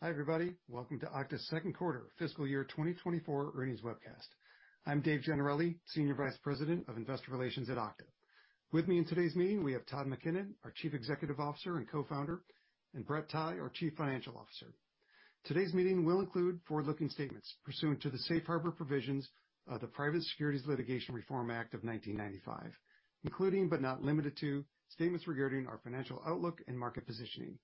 Hi, everybody. Welcome to Okta's second quarter fiscal year 2024 earnings webcast. I'm Dave Gennarelli, Senior Vice President of Investor Relations at Okta. With me in today's meeting, we have Todd McKinnon, our Chief Executive Officer and Co-founder, and Brett Tighe, our Chief Financial Officer. Today's meeting will include forward-looking statements pursuant to the Safe Harbor Provisions of the Private Securities Litigation Reform Act of 1995, including but not limited to, statements regarding our financial outlook and market positioning.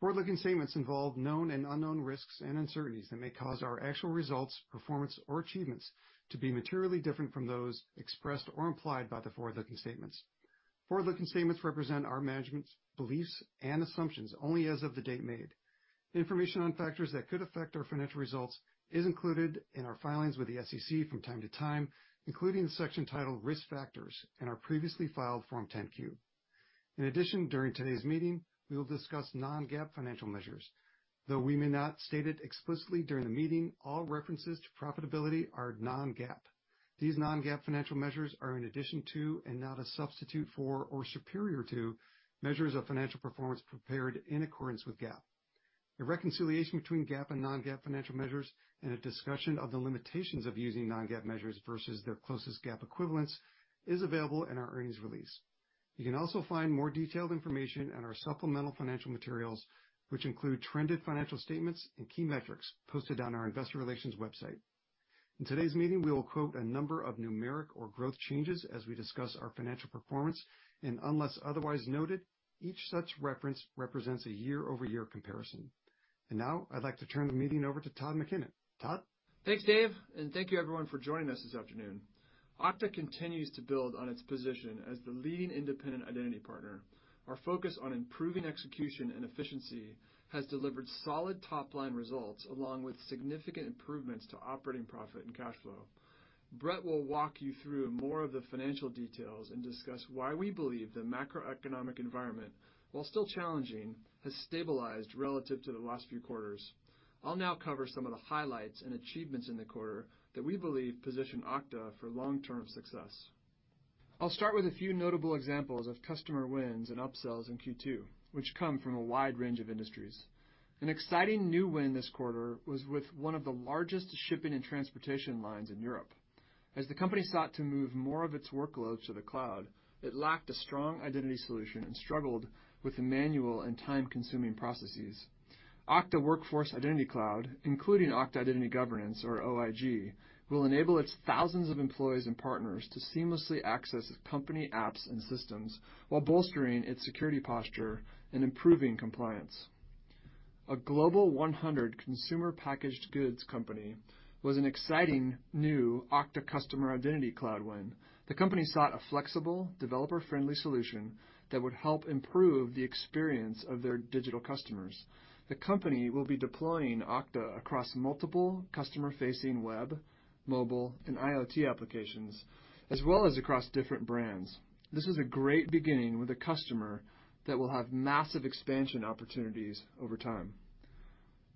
Forward-looking statements involve known and unknown risks and uncertainties that may cause our actual results, performance, or achievements to be materially different from those expressed or implied by the forward-looking statements. Forward-looking statements represent our management's beliefs and assumptions only as of the date made. Information on factors that could affect our financial results is included in our filings with the SEC from time to time, including the section titled Risk Factors in our previously filed Form 10-Q. In addition, during today's meeting, we will discuss non-GAAP financial measures. Though we may not state it explicitly during the meeting, all references to profitability are non-GAAP. These non-GAAP financial measures are in addition to, and not a substitute for or superior to, measures of financial performance prepared in accordance with GAAP. A reconciliation between GAAP and non-GAAP financial measures, and a discussion of the limitations of using non-GAAP measures versus their closest GAAP equivalents, is available in our earnings release. You can also find more detailed information in our supplemental financial materials, which include trended financial statements and key metrics posted on our investor relations website. In today's meeting, we will quote a number of numeric or growth changes as we discuss our financial performance, and unless otherwise noted, each such reference represents a year-over-year comparison. And now, I'd like to turn the meeting over to Todd McKinnon. Todd? Thanks, Dave, and thank you, everyone, for joining us this afternoon. Okta continues to build on its position as the leading independent identity partner. Our focus on improving execution and efficiency has delivered solid top-line results, along with significant improvements to operating profit and cash flow. Brett will walk you through more of the financial details and discuss why we believe the macroeconomic environment, while still challenging, has stabilized relative to the last few quarters. I'll now cover some of the highlights and achievements in the quarter that we believe position Okta for long-term success. I'll start with a few notable examples of customer wins and upsells in Q2, which come from a wide range of industries. An exciting new win this quarter was with one of the largest shipping and transportation lines in Europe. As the company sought to move more of its workloads to the cloud, it lacked a strong identity solution and struggled with the manual and time-consuming processes. Okta Workforce Identity Cloud, including Okta Identity Governance, or OIG, will enable its thousands of employees and partners to seamlessly access its company apps and systems while bolstering its security posture and improving compliance. A global 100 consumer packaged goods company was an exciting new Okta Customer Identity Cloud win. The company sought a flexible, developer-friendly solution that would help improve the experience of their digital customers. The company will be deploying Okta across multiple customer-facing web, mobile, and IoT applications, as well as across different brands. This is a great beginning with a customer that will have massive expansion opportunities over time.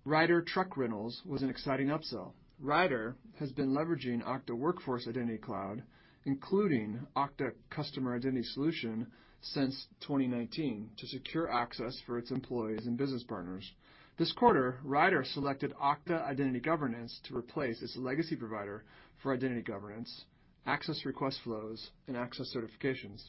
Ryder Truck Rentals was an exciting upsell. Ryder has been leveraging Okta Workforce Identity Cloud, including Okta Customer Identity solution, since 2019, to secure access for its employees and business partners. This quarter, Ryder selected Okta Identity Governance to replace its legacy provider for identity governance, access request flows, and access certifications.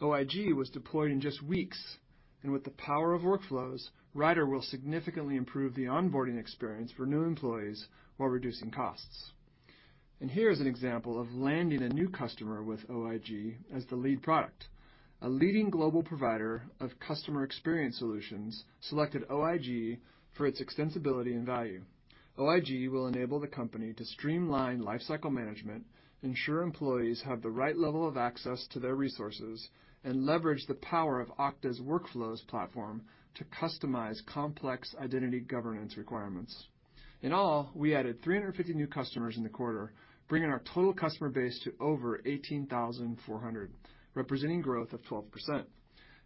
OIG was deployed in just weeks, and with the power of Workflows, Ryder will significantly improve the onboarding experience for new employees while reducing costs. Here is an example of landing a new customer with OIG as the lead product. A leading global provider of customer experience solutions selected OIG for its extensibility and value. OIG will enable the company to streamline lifecycle management, ensure employees have the right level of access to their resources, and leverage the power of Okta's Workflows platform to customize complex identity governance requirements. In all, we added 350 new customers in the quarter, bringing our total customer base to over 18,400, representing growth of 12%.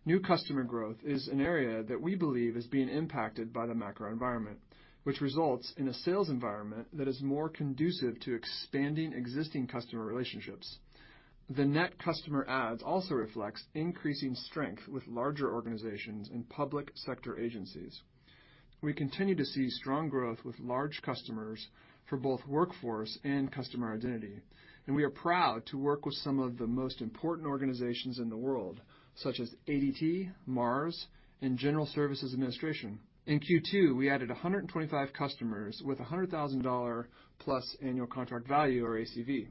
New customer growth is an area that we believe is being impacted by the macro environment, which results in a sales environment that is more conducive to expanding existing customer relationships. The net customer adds also reflects increasing strength with larger organizations and public sector agencies. We continue to see strong growth with large customers for both workforce and customer identity, and we are proud to work with some of the most important organizations in the world, such as ADT, Mars, and General Services Administration. In Q2, we added 125 customers with a $100,000-plus annual contract value, or ACV.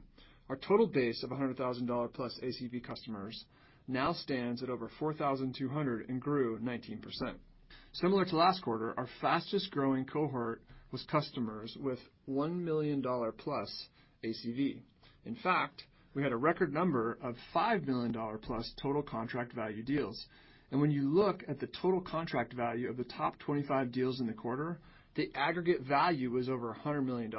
Our total base of $100,000+ ACV customers now stands at over 4,200 and grew 19%. Similar to last quarter, our fastest growing cohort was customers with $1 million+ ACV. In fact, we had a record number of $5 million+ total contract value deals. And when you look at the total contract value of the top 25 deals in the quarter, the aggregate value was over $100 million.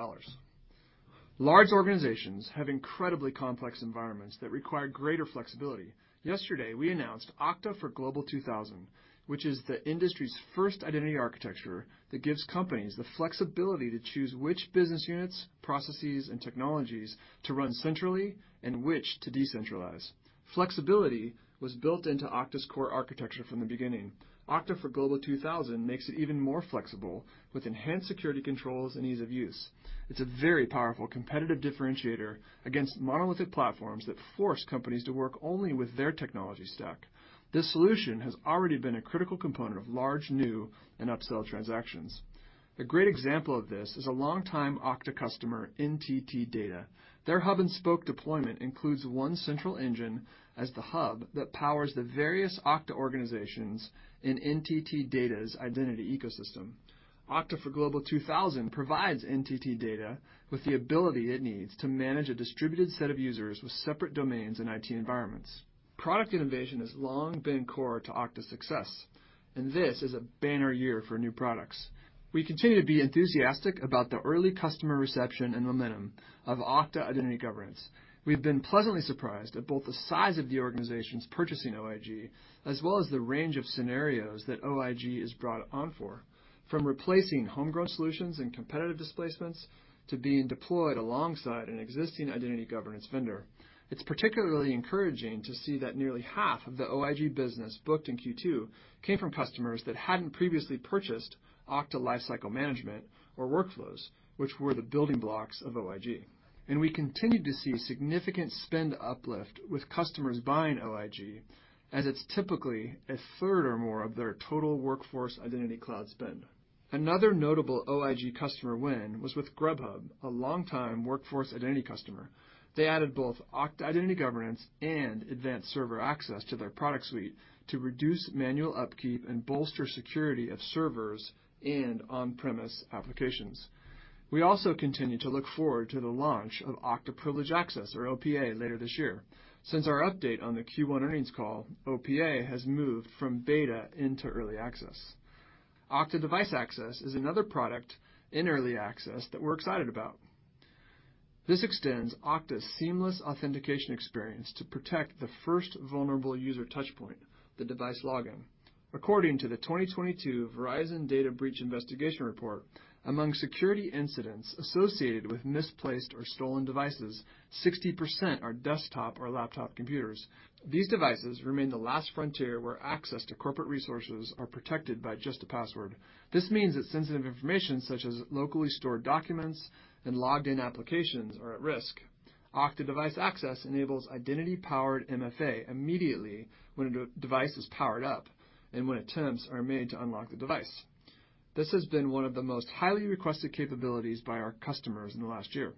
Large organizations have incredibly complex environments that require greater flexibility. Yesterday, we announced Okta for Global 2000, which is the industry's first identity architecture that gives companies the flexibility to choose which business units, processes, and technologies to run centrally and which to decentralize. Flexibility was built into Okta's core architecture from the beginning. Okta for Global 2000 makes it even more flexible, with enhanced security controls and ease of use. It's a very powerful competitive differentiator against monolithic platforms that force companies to work only with their technology stack. This solution has already been a critical component of large, new, and upsell transactions. A great example of this is a long-time Okta customer, NTT DATA. Their hub and spoke deployment includes one central engine as the hub that powers the various Okta organizations in NTT DATA's identity ecosystem. Okta for Global 2000 provides NTT DATA with the ability it needs to manage a distributed set of users with separate domains and IT environments. Product innovation has long been core to Okta's success, and this is a banner year for new products. We continue to be enthusiastic about the early customer reception and momentum of Okta Identity Governance. We've been pleasantly surprised at both the size of the organizations purchasing OIG, as well as the range of scenarios that OIG has brought on for, from replacing homegrown solutions and competitive displacements to being deployed alongside an existing identity governance vendor. It's particularly encouraging to see that nearly half of the OIG business booked in Q2 came from customers that hadn't previously purchased Okta Lifecycle Management or Workflows, which were the building blocks of OIG. We continued to see significant spend uplift with customers buying OIG, as it's typically a third or more of their total Workforce Identity Cloud spend. Another notable OIG customer win was with Grubhub, a long-time workforce identity customer. They added both Okta Identity Governance and Okta Server Access to their product suite to reduce manual upkeep and bolster security of servers and on-premise applications. We also continue to look forward to the launch of Okta Privileged Access, or OPA, later this year. Since our update on the Q1 earnings call, OPA has moved from beta into early access. Okta Device Access is another product in early access that we're excited about. This extends Okta's seamless authentication experience to protect the first vulnerable user touch point, the device login. According to the 2022 Verizon Data Breach Investigations Report, among security incidents associated with misplaced or stolen devices, 60% are desktop or laptop computers. These devices remain the last frontier, where access to corporate resources are protected by just a password. This means that sensitive information, such as locally stored documents and logged in applications, are at risk. Okta Device Access enables identity-powered MFA immediately when a device is powered up and when attempts are made to unlock the device. This has been one of the most highly requested capabilities by our customers in the last year.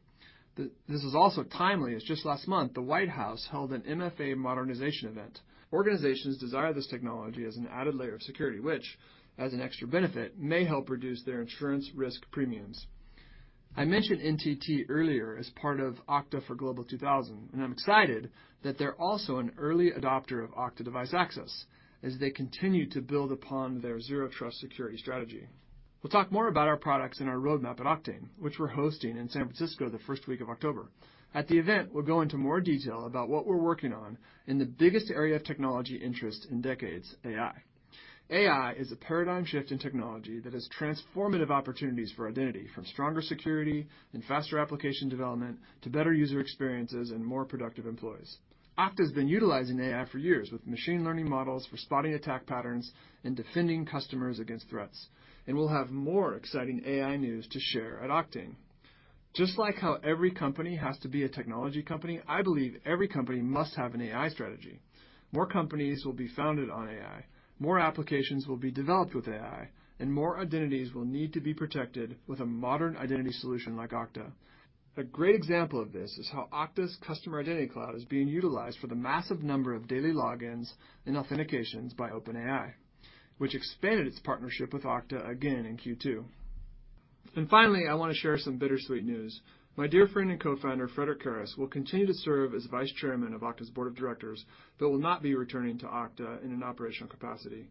This is also timely, as just last month, the White House held an MFA modernization event. Organizations desire this technology as an added layer of security, which, as an extra benefit, may help reduce their insurance risk premiums. I mentioned NTT earlier as part of Okta for Global 2000, and I'm excited that they're also an early adopter of Okta Device Access as they continue to build upon their Zero Trust security strategy. We'll talk more about our products and our roadmap at Oktane, which we're hosting in San Francisco the first week of October. At the event, we'll go into more detail about what we're working on in the biggest area of technology interest in decades, AI. AI is a paradigm shift in technology that has transformative opportunities for identity, from stronger security and faster application development to better user experiences and more productive employees. Okta's been utilizing AI for years, with machine learning models for spotting attack patterns and defending customers against threats. We'll have more exciting AI news to share at Oktane. Just like how every company has to be a technology company, I believe every company must have an AI strategy. More companies will be founded on AI, more applications will be developed with AI, and more identities will need to be protected with a modern identity solution like Okta. A great example of this is how Okta's Customer Identity Cloud is being utilized for the massive number of daily logins and authentications by OpenAI, which expanded its partnership with Okta again in Q2. Finally, I want to share some bittersweet news. My dear friend and co-founder, Frederic Kerrest, will continue to serve as Vice Chairman of Okta's board of directors, but will not be returning to Okta in an operational capacity.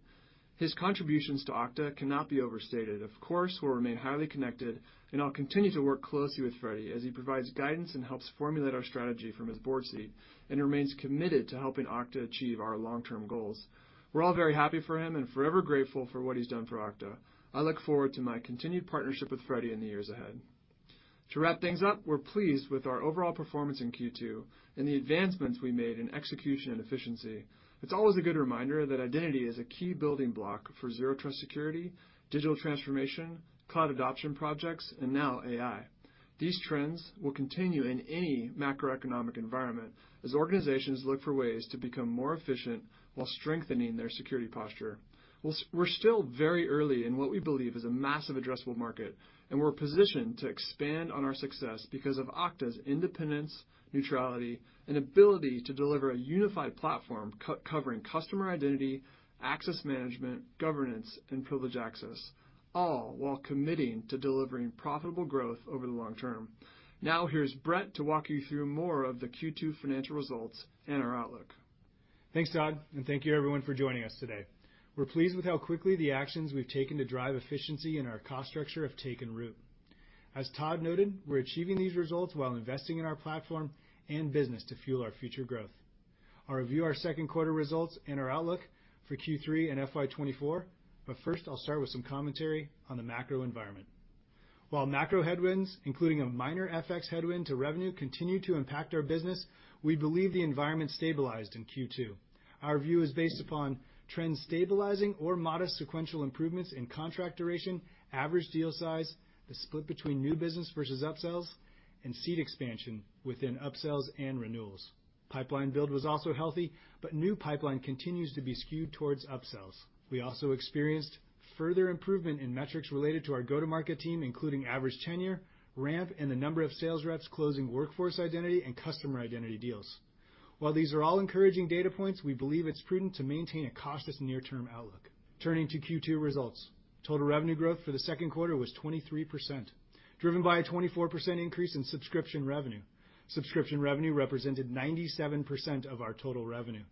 His contributions to Okta cannot be overstated. Of course, we'll remain highly connected, and I'll continue to work closely with Freddy as he provides guidance and helps formulate our strategy from his board seat and remains committed to helping Okta achieve our long-term goals. We're all very happy for him and forever grateful for what he's done for Okta. I look forward to my continued partnership with Freddy in the years ahead. To wrap things up, we're pleased with our overall performance in Q2 and the advancements we made in execution and efficiency. It's always a good reminder that identity is a key building block for Zero Trust security, digital transformation, cloud adoption projects, and now AI. These trends will continue in any macroeconomic environment as organizations look for ways to become more efficient while strengthening their security posture. We're still very early in what we believe is a massive addressable market, and we're positioned to expand on our success because of Okta's independence, neutrality, and ability to deliver a unified platform covering customer identity, access management, governance, and privileged access, all while committing to delivering profitable growth over the long term. Now, here's Brett to walk you through more of the Q2 financial results and our outlook.... Thanks, Todd, and thank you everyone for joining us today. We're pleased with how quickly the actions we've taken to drive efficiency in our cost structure have taken root. As Todd noted, we're achieving these results while investing in our platform and business to fuel our future growth. I'll review our second quarter results and our outlook for Q3 and FY 2024, but first, I'll start with some commentary on the macro environment. While macro headwinds, including a minor FX headwind to revenue, continue to impact our business, we believe the environment stabilized in Q2. Our view is based upon trends stabilizing or modest sequential improvements in contract duration, average deal size, the split between new business versus upsells, and seat expansion within upsells and renewals. Pipeline build was also healthy, but new pipeline continues to be skewed towards upsells. We also experienced further improvement in metrics related to our go-to-market team, including average tenure, ramp, and the number of sales reps closing Workforce Identity and Customer Identity deals. While these are all encouraging data points, we believe it's prudent to maintain a cautious near-term outlook. Turning to Q2 results, total revenue growth for the second quarter was 23%, driven by a 24% increase in subscription revenue. Subscription revenue represented 97% of our total revenue.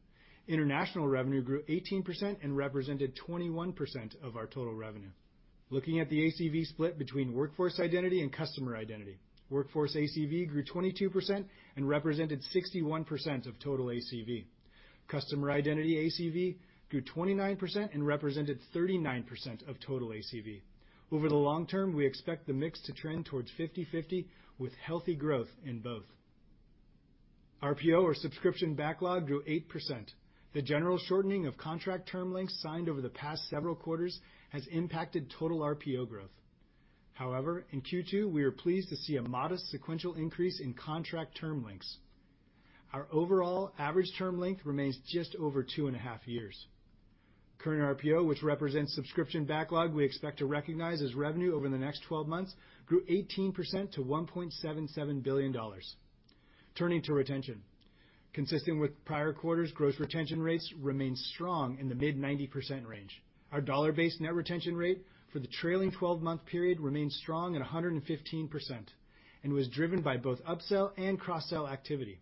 International revenue grew 18% and represented 21% of our total revenue. Looking at the ACV split between Workforce Identity and Customer Identity, Workforce ACV grew 22% and represented 61% of total ACV. Customer Identity ACV grew 29% and represented 39% of total ACV. Over the long term, we expect the mix to trend towards 50/50, with healthy growth in both. RPO, or subscription backlog, grew 8%. The general shortening of contract term lengths signed over the past several quarters has impacted total RPO growth. However, in Q2, we are pleased to see a modest sequential increase in contract term lengths. Our overall average term length remains just over two and a half years. Current RPO, which represents subscription backlog we expect to recognize as revenue over the next 12 months, grew 18% to $1.77 billion. Turning to retention. Consistent with prior quarters, gross retention rates remain strong in the mid-90% range. Our dollar-based net retention rate for the trailing 12-month period remains strong at 115% and was driven by both upsell and cross-sell activity.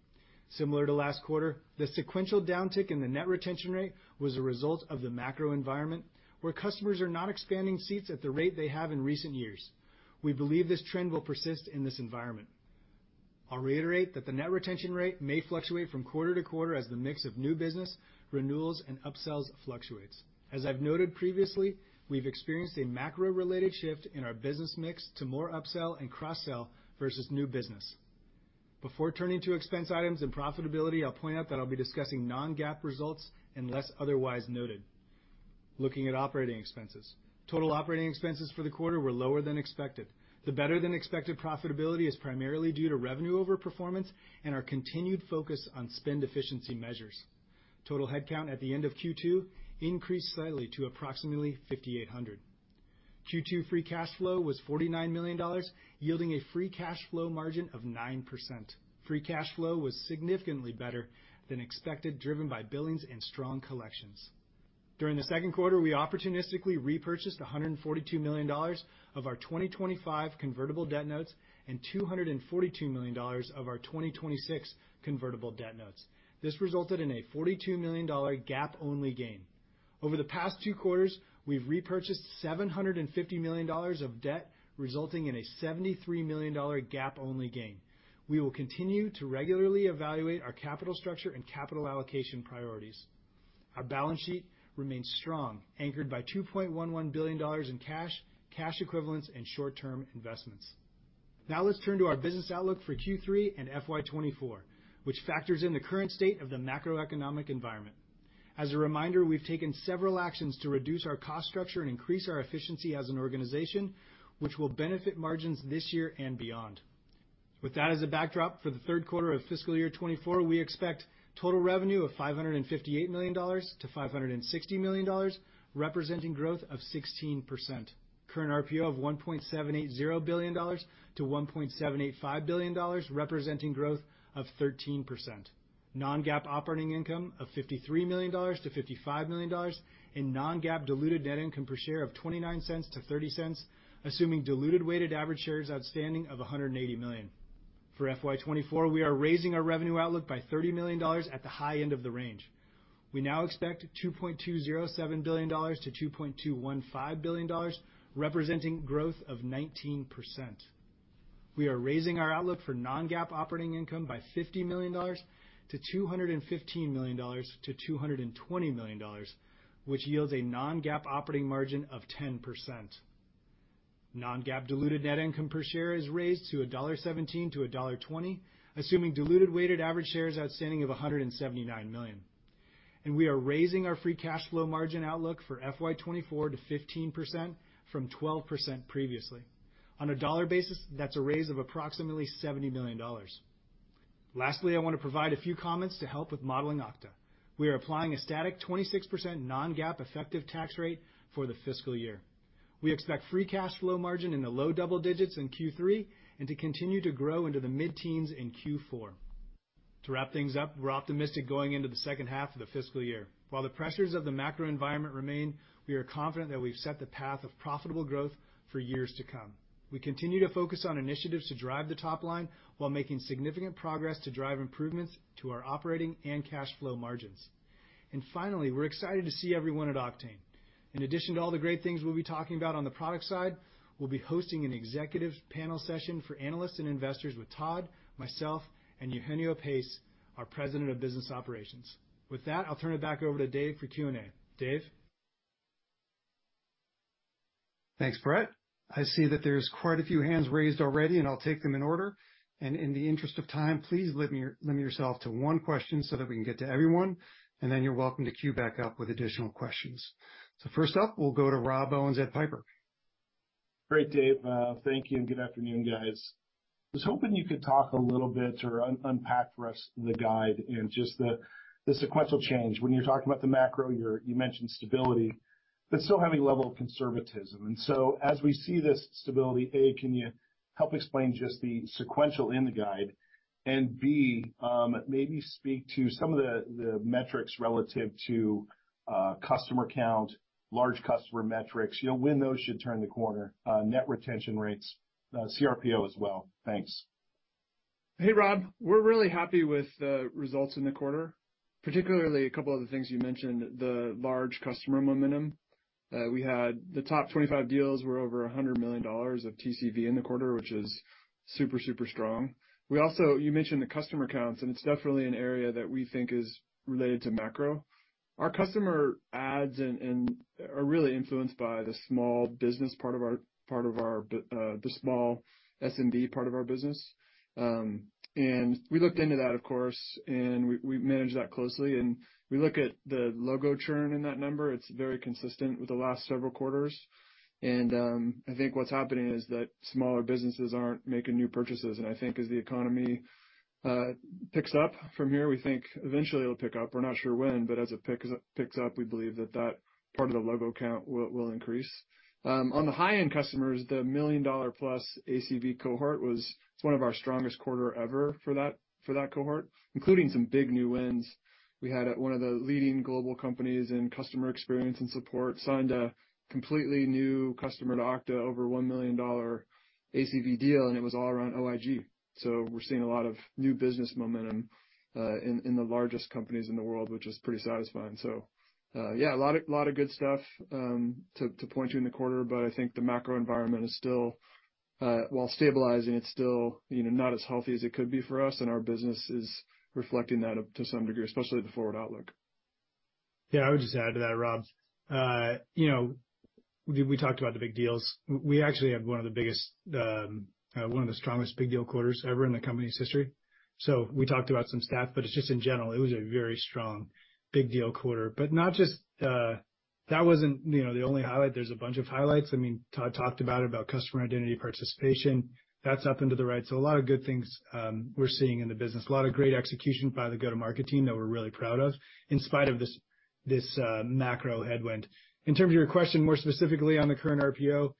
Similar to last quarter, the sequential downtick in the net retention rate was a result of the macro environment, where customers are not expanding seats at the rate they have in recent years. We believe this trend will persist in this environment. I'll reiterate that the net retention rate may fluctuate from quarter to quarter as the mix of new business, renewals, and upsells fluctuates. As I've noted previously, we've experienced a macro-related shift in our business mix to more upsell and cross-sell versus new business. Before turning to expense items and profitability, I'll point out that I'll be discussing non-GAAP results unless otherwise noted. Looking at operating expenses. Total operating expenses for the quarter were lower than expected. The better-than-expected profitability is primarily due to revenue overperformance and our continued focus on spend efficiency measures. Total headcount at the end of Q2 increased slightly to approximately 5,800. Q2 free cash flow was $49 million, yielding a free cash flow margin of 9%. Free cash flow was significantly better than expected, driven by billings and strong collections. During the second quarter, we opportunistically repurchased $142 million of our 2025 convertible debt notes and $242 million of our 2026 convertible debt notes. This resulted in a $42 million GAAP-only gain. Over the past two quarters, we've repurchased $750 million of debt, resulting in a $73 million GAAP-only gain. We will continue to regularly evaluate our capital structure and capital allocation priorities. Our balance sheet remains strong, anchored by $2.11 billion in cash, cash equivalents, and short-term investments. Now let's turn to our business outlook for Q3 and FY 2024, which factors in the current state of the macroeconomic environment. As a reminder, we've taken several actions to reduce our cost structure and increase our efficiency as an organization, which will benefit margins this year and beyond. With that as a backdrop, for the third quarter of fiscal year 2024, we expect total revenue of $558 million-$560 million, representing growth of 16%. Current RPO of $1.780 billion-$1.785 billion, representing growth of 13%. Non-GAAP operating income of $53 million-$55 million, and non-GAAP diluted net income per share of $0.29-$0.30, assuming diluted weighted average shares outstanding of 180 million. For FY 2024, we are raising our revenue outlook by $30 million at the high end of the range. We now expect $2.207 billion-$2.215 billion, representing growth of 19%. We are raising our outlook for non-GAAP operating income by $50 million to $215 million-$220 million, which yields a non-GAAP operating margin of 10%. Non-GAAP diluted net income per share is raised to $1.17-$1.20, assuming diluted weighted average shares outstanding of 179 million. And we are raising our free cash flow margin outlook for FY 2024 to 15% from 12% previously. On a dollar basis, that's a raise of approximately $70 million. Lastly, I want to provide a few comments to help with modeling Okta. We are applying a static 26% non-GAAP effective tax rate for the fiscal year. We expect free cash flow margin in the low double digits in Q3 and to continue to grow into the mid-teens in Q4.... To wrap things up, we're optimistic going into the second half of the fiscal year. While the pressures of the macro environment remain, we are confident that we've set the path of profitable growth for years to come. We continue to focus on initiatives to drive the top line, while making significant progress to drive improvements to our operating and cash flow margins. And finally, we're excited to see everyone at Oktane. In addition to all the great things we'll be talking about on the product side, we'll be hosting an executive panel session for analysts and investors with Todd, myself, and Eugenio Pace, our President of Business Operations. With that, I'll turn it back over to Dave for Q&A. Dave? Thanks, Brett. I see that there's quite a few hands raised already, and I'll take them in order. And in the interest of time, please limit yourself to one question so that we can get to everyone, and then you're welcome to queue back up with additional questions. So first up, we'll go to Rob Owens at Piper. Great, Dave. Thank you, and good afternoon, guys. I was hoping you could talk a little bit or unpack for us the guide and just the sequential change. When you're talking about the macro, you mentioned stability, but still having a level of conservatism. And so as we see this stability, A, can you help explain just the sequential in the guide? And B, maybe speak to some of the metrics relative to customer count, large customer metrics. You know, when those should turn the corner, net retention rates, CRPO as well. Thanks. Hey, Rob. We're really happy with the results in the quarter, particularly a couple of the things you mentioned, the large customer momentum. We had the top 25 deals were over $100 million of TCV in the quarter, which is super, super strong. We also. You mentioned the customer counts, and it's definitely an area that we think is related to macro. Our customer adds are really influenced by the small business part of our, the small SMB part of our business. And we looked into that, of course, and we managed that closely, and we look at the logo churn in that number. It's very consistent with the last several quarters. I think what's happening is that smaller businesses aren't making new purchases, and I think as the economy picks up from here, we think eventually it'll pick up. We're not sure when, but as it picks up, we believe that that part of the logo count will increase. On the high-end customers, the $1 million-plus ACV cohort was one of our strongest quarter ever for that cohort, including some big new wins. We had one of the leading global companies in customer experience and support, signed a completely new customer to Okta, over $1 million ACV deal, and it was all around OIG. So we're seeing a lot of new business momentum in the largest companies in the world, which is pretty satisfying. So, yeah, a lot of, lot of good stuff to point you in the quarter, but I think the macro environment is still while stabilizing, it's still, you know, not as healthy as it could be for us, and our business is reflecting that up to some degree, especially the forward outlook. Yeah, I would just add to that, Rob. You know, we, we talked about the big deals. We actually had one of the biggest, one of the strongest big deal quarters ever in the company's history. So we talked about some stuff, but it's just in general, it was a very strong big deal quarter. But not just, that wasn't, you know, the only highlight. There's a bunch of highlights. I mean, Todd talked about it, about customer identity participation. That's up into the right. So a lot of good things, we're seeing in the business. A lot of great execution by the go-to-market team that we're really proud of, in spite of this, this, macro headwind. In terms of your question, more specifically on the current RPO,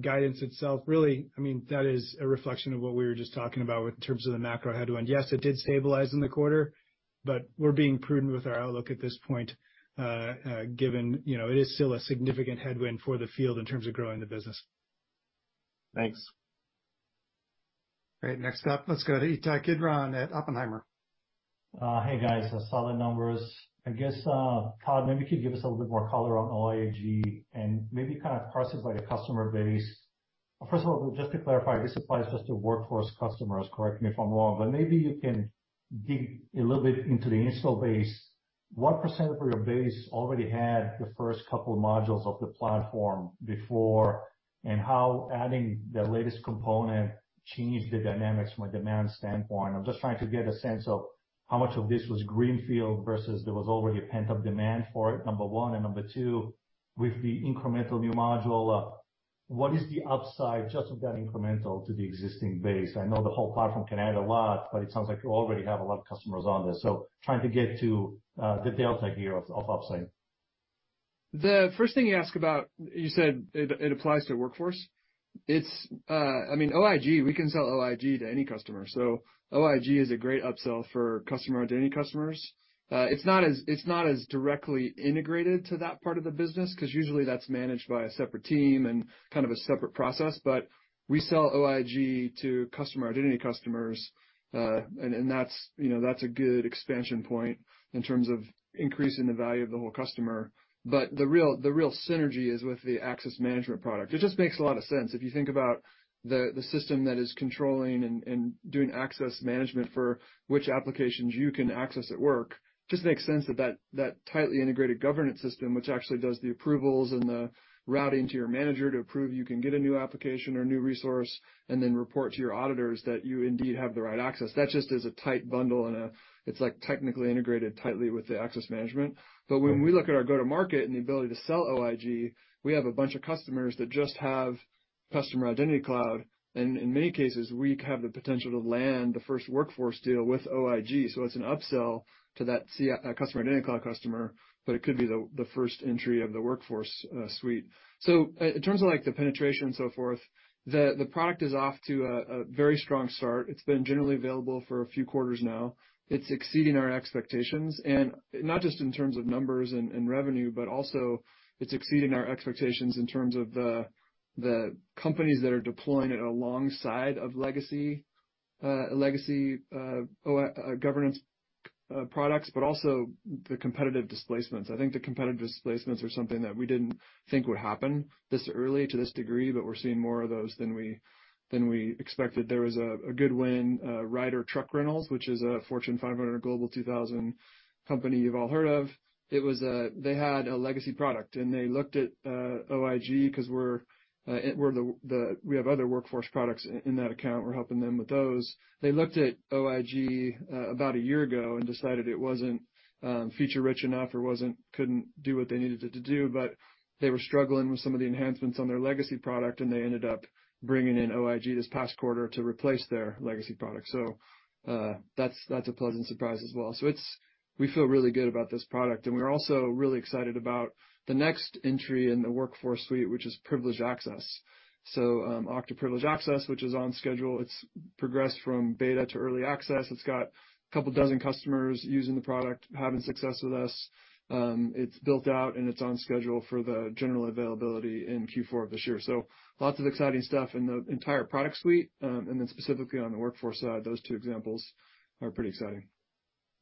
guidance itself, really, I mean, that is a reflection of what we were just talking about in terms of the macro headwind. Yes, it did stabilize in the quarter, but we're being prudent with our outlook at this point, given, you know, it is still a significant headwind for the field in terms of growing the business. Thanks. Great. Next up, let's go to Ittai Kidron at Oppenheimer. Hey, guys. Solid numbers. I guess, Todd, maybe you could give us a little bit more color on OIG and maybe kind of cross it by the customer base. First of all, just to clarify, this applies just to Workforce customers, correct me if I'm wrong, but maybe you can dig a little bit into the install base. What percentage of your base already had the first couple of modules of the platform before, and how adding the latest component changed the dynamics from a demand standpoint? I'm just trying to get a sense of how much of this was greenfield versus there was already a pent-up demand for it, number one. And number two, with the incremental new module, what is the upside just of that incremental to the existing base? I know the whole platform can add a lot, but it sounds like you already have a lot of customers on this, so trying to get to the delta here of upside. The first thing you asked about, you said it, it applies to Workforce. It's, I mean, OIG, we can sell OIG to any customer, so OIG is a great upsell for customer identity customers. It's not as directly integrated to that part of the business, 'cause usually that's managed by a separate team and kind of a separate process. But we sell OIG to customer identity customers, and that's, you know, that's a good expansion point in terms of increasing the value of the whole customer. But the real synergy is with the access management product. It just makes a lot of sense. If you think about the system that is controlling and doing access management for which applications you can access at work, just makes sense that tightly integrated governance system, which actually does the approvals and the routing to your manager to approve you can get a new application or new resource, and then report to your auditors that you indeed have the right access. That just is a tight bundle, and it's like technically integrated tightly with the access management. But when we look at our go-to-market and the ability to sell OIG, we have a bunch of customers that just have Customer Identity Cloud, and in many cases, we have the potential to land the first Workforce deal with OIG. So it's an upsell to that CI, Customer Identity Cloud customer, but it could be the first entry of the Workforce suite. So in terms of, like, the penetration and so forth, the product is off to a very strong start. It's been generally available for a few quarters now. It's exceeding our expectations, and not just in terms of numbers and revenue, but also it's exceeding our expectations in terms of the companies that are deploying it alongside legacy OIG governance products, but also the competitive displacements. I think the competitive displacements are something that we didn't think would happen this early to this degree, but we're seeing more of those than we expected. There was a good win, Ryder Truck Rentals, which is a Fortune 500, Global 2000 company you've all heard of. It was. They had a legacy product, and they looked at OIG, 'cause we're the. We have other Workforce products in that account. We're helping them with those. They looked at OIG about a year ago and decided it wasn't feature-rich enough or couldn't do what they needed it to do, but they were struggling with some of the enhancements on their legacy product, and they ended up bringing in OIG this past quarter to replace their legacy product. So that's a pleasant surprise as well. So it's. We feel really good about this product, and we're also really excited about the next entry in the Workforce suite, which is Privileged Access. So Okta Privileged Access, which is on schedule, it's progressed from beta to early access. It's got a couple dozen customers using the product, having success with us. It's built out, and it's on schedule for the general availability in Q4 of this year. So lots of exciting stuff in the entire product suite, and then specifically on the Workforce side, those two examples are pretty exciting.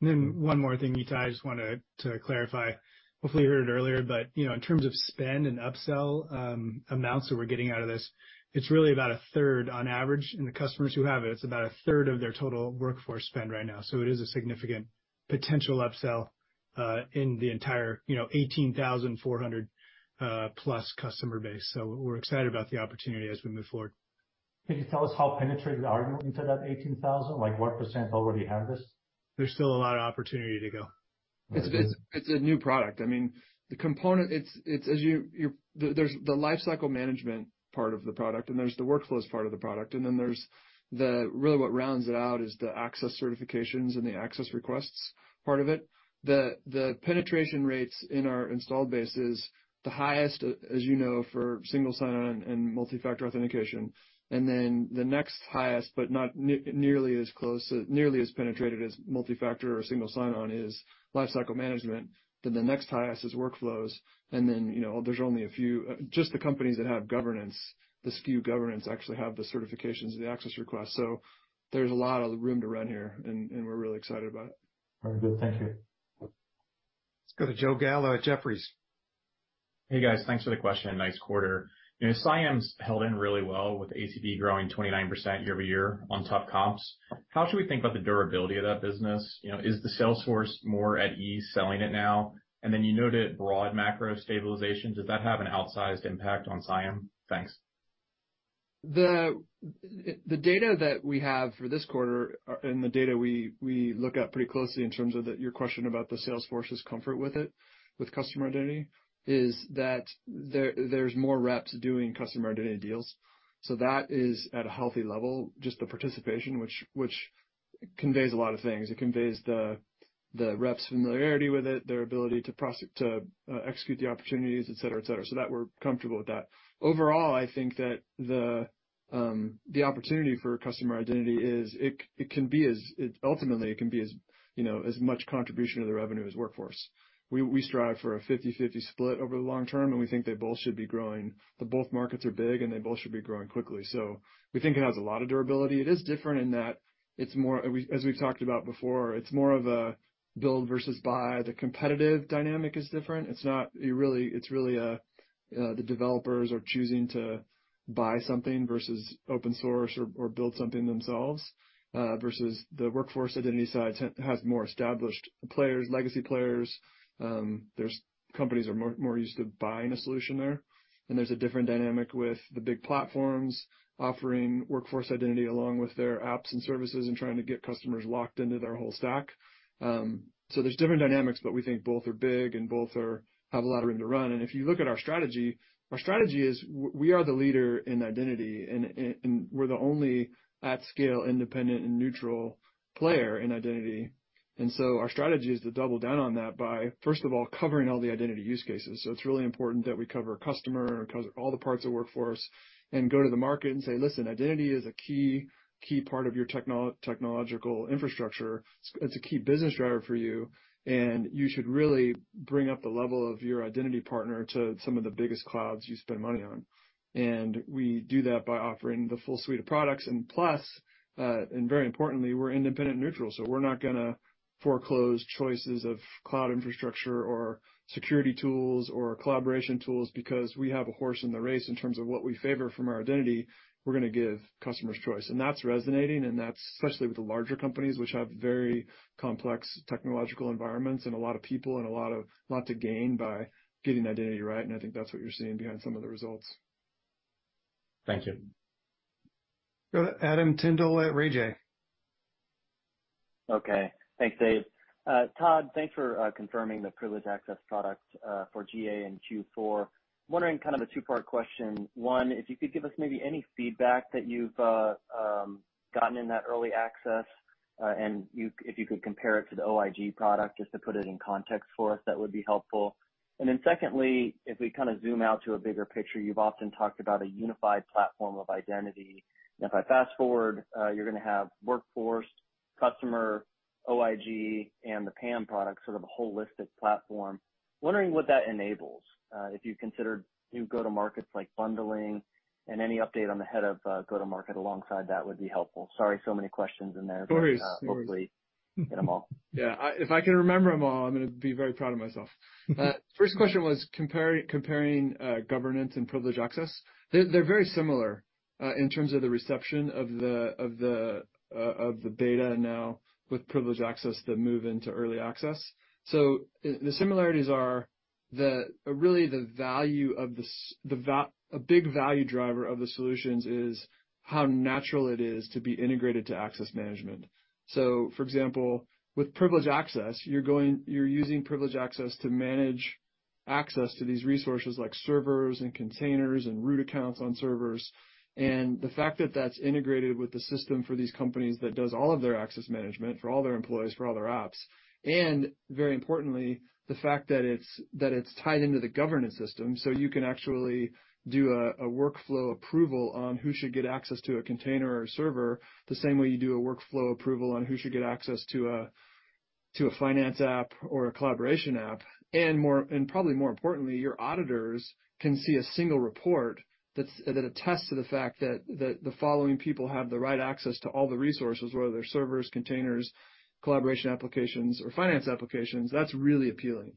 And then one more thing, Ittai, I just wanted to clarify. Hopefully, you heard it earlier, but, you know, in terms of spend and upsell, amounts that we're getting out of this, it's really about a third on average, and the customers who have it, it's about a third of their total Workforce spend right now, so it is a significant potential upsell, in the entire, you know, 18,400+ customer base. So we're excited about the opportunity as we move forward. Can you tell us how penetrated are you into that 18,000? Like, what % already have this? There's still a lot of opportunity to go. It's a new product. I mean, It's as you-- There's the Lifecycle Management part of the product, and there's the Workflows part of the product, and then there's the... Really, what rounds it out is the access certifications and the access requests part of it. The penetration rates in our installed base is the highest, as you know, for single sign-on and multi-factor authentication. And then the next highest, but not nearly as close, nearly as penetrated as multi-factor or single sign-on, is Lifecycle Management. Then the next highest is Workflows, and then, you know, there's only a few just the companies that have governance, the SKU governance, actually have the certifications and the access request. So there's a lot of room to run here, and we're really excited about it. Very good. Thank you. Let's go to Joe Gallo at Jefferies. Hey, guys, thanks for the question. Nice quarter. You know, CIAM's held in really well with ACV growing 29% year-over-year on top comps. How should we think about the durability of that business? You know, is the sales force more at ease selling it now? And then you noted broad macro stabilization. Does that have an outsized impact on CIAM? Thanks. The data that we have for this quarter, and the data we look at pretty closely in terms of your question about the sales force's comfort with it, with customer identity, is that there's more reps doing customer identity deals. So that is at a healthy level, just the participation, which conveys a lot of things. It conveys the reps' familiarity with it, their ability to execute the opportunities, et cetera, et cetera, so that we're comfortable with that. Overall, I think that the opportunity for customer identity is that it can be ultimately as, you know, as much contribution to the revenue as Workforce. We strive for a 50/50 split over the long term, and we think they both should be growing. The both markets are big, and they both should be growing quickly, so we think it has a lot of durability. It is different in that it's more, as we, as we've talked about before, it's more of a build versus buy. The competitive dynamic is different. It's not. You really, it's really, the developers are choosing to buy something versus open source or build something themselves versus the Workforce identity side has more established players, legacy players. Companies are more used to buying a solution there, and there's a different dynamic with the big platforms offering Workforce identity along with their apps and services and trying to get customers locked into their whole stack. So there's different dynamics, but we think both are big and both have a lot of room to run, and if you look at our strategy, our strategy is we are the leader in identity, and we're the only at-scale, independent, and neutral player in identity. And so our strategy is to double down on that by, first of all, covering all the identity use cases. So it's really important that we cover customer, cover all the parts of Workforce, and go to the market and say: Listen, identity is a key, key part of your technological infrastructure. It's a key business driver for you, and you should really bring up the level of your identity partner to some of the biggest clouds you spend money on. We do that by offering the full suite of products, and plus, and very importantly, we're independent neutral, so we're not gonna foreclose choices of cloud infrastructure or security tools or collaboration tools because we have a horse in the race in terms of what we favor from our identity. We're gonna give customers choice, and that's resonating, and that's especially with the larger companies, which have very complex technological environments and a lot of people and a lot to gain by getting identity right, and I think that's what you're seeing behind some of the results. Thank you. Go, Adam Tindle at RayJay. Okay. Thanks, Dave. Todd, thanks for confirming the Privileged Access product for GA in Q4. Wondering kind of a two-part question. One, if you could give us maybe any feedback that you've gotten in that early access, and if you could compare it to the OIG product, just to put it in context for us, that would be helpful. And then secondly, if we kind of zoom out to a bigger picture, you've often talked about a unified platform of identity, and if I fast-forward, you're gonna have Workforce customer OIG and the PAM product, sort of a holistic platform. Wondering what that enables, if you considered new go-to-markets like bundling and any update on the head of go-to-market alongside, that would be helpful. Sorry, so many questions in there. No worries. But, hopefully get them all. Yeah, if I can remember them all, I'm gonna be very proud of myself. First question was comparing Governance and Privileged Access. They're very similar in terms of the reception of the beta now with Privileged Access, the move into early access. So the similarities are really the value of the solutions. A big value driver of the solutions is how natural it is to be integrated to access management. So, for example, with Privileged Access, you're going... You're using Privileged Access to manage access to these resources, like servers and containers and root accounts on servers. And the fact that that's integrated with the system for these companies that does all of their access management for all their employees, for all their apps, and very importantly, the fact that it's, that it's tied into the governance system, so you can actually do a, a workflow approval on who should get access to a container or a server, the same way you do a workflow approval on who should get access to a, to a finance app or a collaboration app. And more, and probably more importantly, your auditors can see a single report that's, that attests to the fact that, that the following people have the right access to all the resources, whether they're servers, containers, collaboration applications, or finance applications. That's really appealing.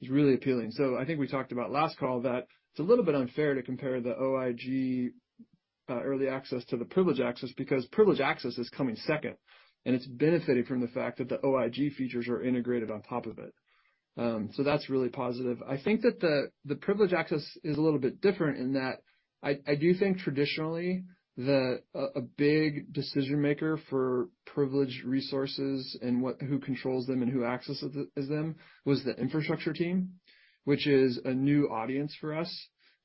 It's really appealing. So I think we talked about last call, that it's a little bit unfair to compare the OIG early access to the Privileged Access, because Privileged Access is coming second, and it's benefiting from the fact that the OIG features are integrated on top of it. So that's really positive. I think that the Privileged Access is a little bit different in that I do think traditionally that a big decision maker for privileged resources and what who controls them and who accesses them was the infrastructure team, which is a new audience for us.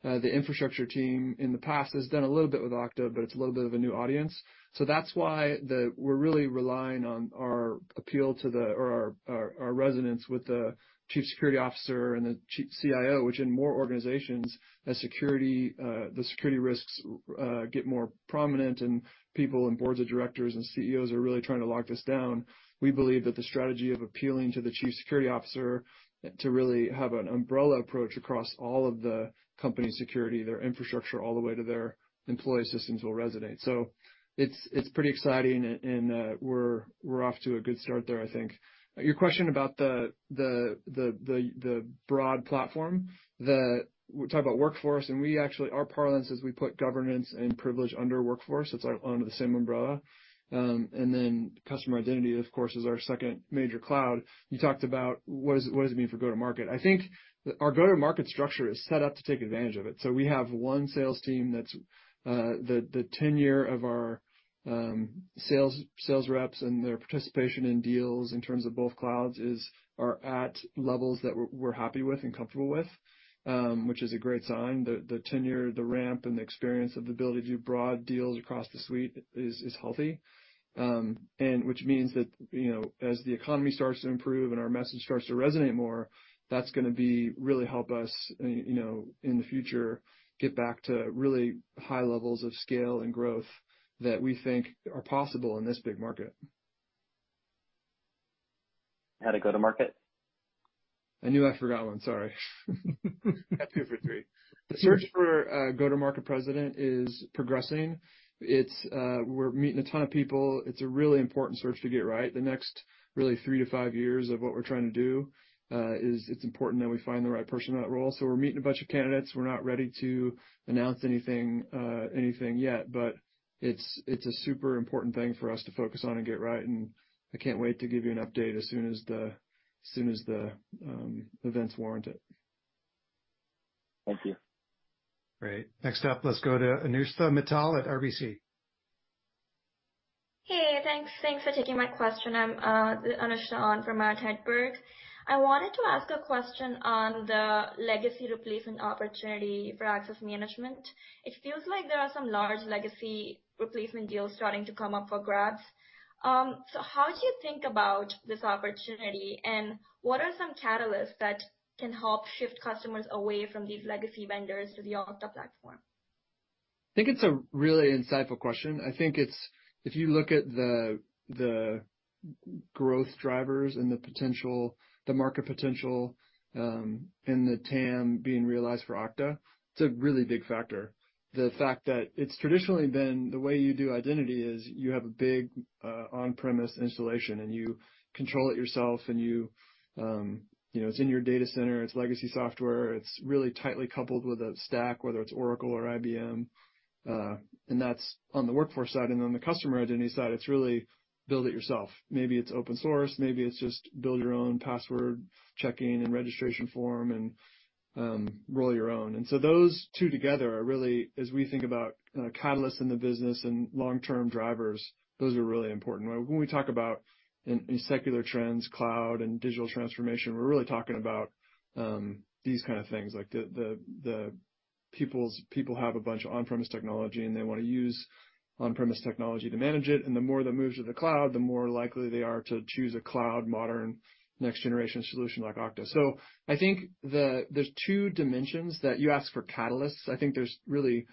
The infrastructure team in the past has done a little bit with Okta, but it's a little bit of a new audience. So that's why we're really relying on our appeal to the... or our resonance with the Chief Security Officer and the Chief CIO, which in more organizations, as security risks get more prominent and people and boards of directors and CEOs are really trying to lock this down. We believe that the strategy of appealing to the Chief Security Officer to really have an umbrella approach across all of the company security, their infrastructure, all the way to their employee systems, will resonate. So it's pretty exciting and we're off to a good start there, I think. Your question about the broad platform, we talk about Workforce, and we actually, our parlance is we put governance and privilege under Workforce. It's, like, under the same umbrella. And then customer identity, of course, is our second major cloud. You talked about what does, what does it mean for go-to-market? I think our go-to-market structure is set up to take advantage of it. So we have one sales team that's the tenure of our sales reps and their participation in deals in terms of both clouds is at levels that we're happy with and comfortable with, which is a great sign. The tenure, the ramp, and the experience of the ability to do broad deals across the suite is healthy. And which means that, you know, as the economy starts to improve and our message starts to resonate more, that's gonna be really help us, you know, in the future, get back to really high levels of scale and growth that we think are possible in this big market. How the go-to-market? I knew I forgot one, sorry. Got two for three. The search for go-to-market president is progressing. It's we're meeting a ton of people. It's a really important search to get right. The next really 3-5 years of what we're trying to do is it's important that we find the right person in that role. So we're meeting a bunch of candidates. We're not ready to announce anything anything yet, but it's it's a super important thing for us to focus on and get right, and I can't wait to give you an update as soon as the as soon as the events warrant it. Thank you. Great. Next up, let's go to Anusha Mittal at RBC. Hey, thanks. Thanks for taking my question. I'm the Anusha on from Matt Hedberg. I wanted to ask a question on the legacy replacement opportunity for access management. It feels like there are some large legacy replacement deals starting to come up for grabs. So how do you think about this opportunity, and what are some catalysts that can help shift customers away from these legacy vendors to the Okta platform? I think it's a really insightful question. I think it's. If you look at the growth drivers and the potential, the market potential, and the TAM being realized for Okta, it's a really big factor. The fact that it's traditionally been the way you do identity is you have a big on-premises installation, and you control it yourself and you know, it's in your data center, it's legacy software, it's really tightly coupled with a stack, whether it's Oracle or IBM. And that's on the Workforce side. And on the customer identity side, it's really build it yourself. Maybe it's open source, maybe it's just build your own password checking and registration form, and roll your own. And so those two together are really, as we think about catalysts in the business and long-term drivers, those are really important. When we talk about secular trends, cloud and digital transformation, we're really talking about these kind of things, like people have a bunch of on-premise technology, and they want to use on-premise technology to manage it, and the more that moves to the cloud, the more likely they are to choose a cloud modern next generation solution like Okta. So I think there's two dimensions that you ask for catalysts. I think there's really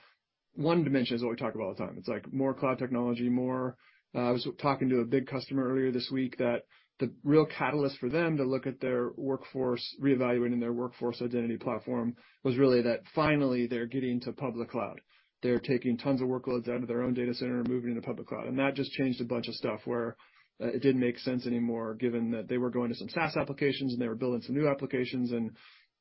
one dimension is what we talk about all the time. It's like more cloud technology, more. I was talking to a big customer earlier this week, that the real catalyst for them to look at their workforce, reevaluating their workforce identity platform, was really that finally they're getting to public cloud. They're taking tons of workloads out of their own data center and moving to public cloud. And that just changed a bunch of stuff where it didn't make sense anymore, given that they were going to some SaaS applications, and they were building some new applications, and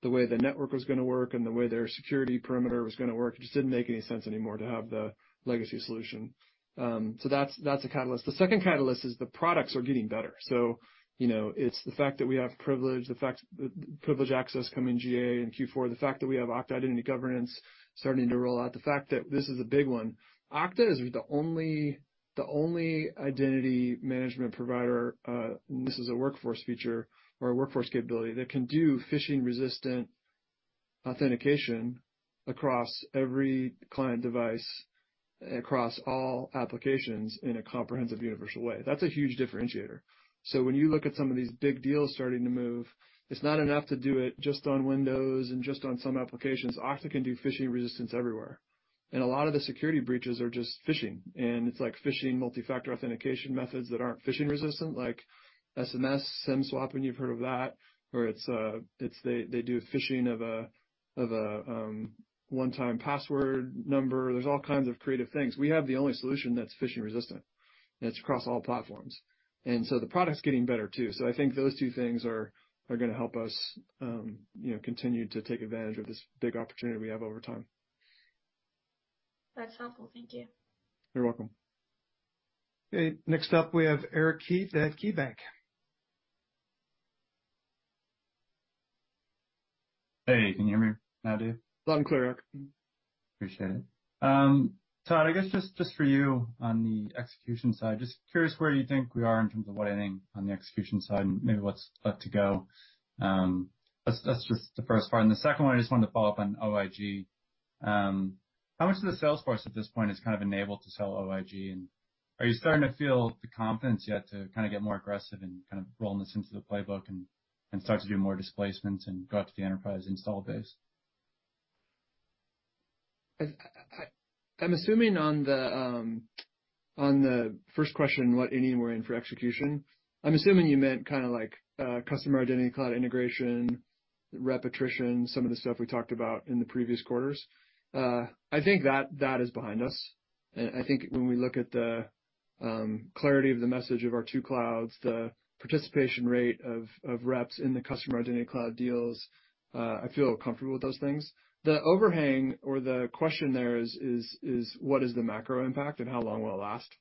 the way the network was gonna work and the way their security perimeter was gonna work. It just didn't make sense anymore to have the legacy solution. So that's a catalyst. The second catalyst is the products are getting better. So, you know, it's the fact that we have privileged, the fact that Privileged Access coming GA in Q4, the fact that we have Okta Identity Governance starting to roll out, the fact that, this is a big one, Okta is the only, the only identity management provider, and this is a workforce feature or a workforce capability, that can do phishing-resistant authentication across every client device, across all applications in a comprehensive, universal way. That's a huge differentiator. So when you look at some of these big deals starting to move, it's not enough to do it just on Windows and just on some applications. Okta can do phishing resistance everywhere, and a lot of the security breaches are just phishing. It's like phishing multi-factor authentication methods that aren't phishing-resistant, like SMS, SIM swapping, you've heard of that, or they do phishing of a one-time password number. There's all kinds of creative things. We have the only solution that's phishing-resistant, and it's across all platforms. So the product's getting better, too. I think those two things are gonna help us, you know, continue to take advantage of this big opportunity we have over time. That's helpful. Thank you. You're welcome. Okay, next up, we have Eric Heath at KeyBank. Hey, can you hear me now, Dave? Loud and clear, Eric. Appreciate it. Todd, I guess just, just for you on the execution side, just curious where you think we are in terms of what inning on the execution side, and maybe what's left to go? That's, that's just the first part. And the second one, I just wanted to follow up on OIG. How much of the sales force at this point is kind of enabled to sell OIG, and are you starting to feel the confidence yet to kind of get more aggressive and kind of roll this into the playbook and, and start to do more displacements and go out to the enterprise install base? I'm assuming on the first question, what inning we're in for execution, I'm assuming you meant kind of like Customer Identity Cloud integration, repetition, some of the stuff we talked about in the previous quarters. I think that is behind us. And I think when we look at the clarity of the message of our two clouds, the participation rate of reps in the Customer Identity Cloud deals, I feel comfortable with those things. The overhang or the question there is what is the macro impact and how long will it last?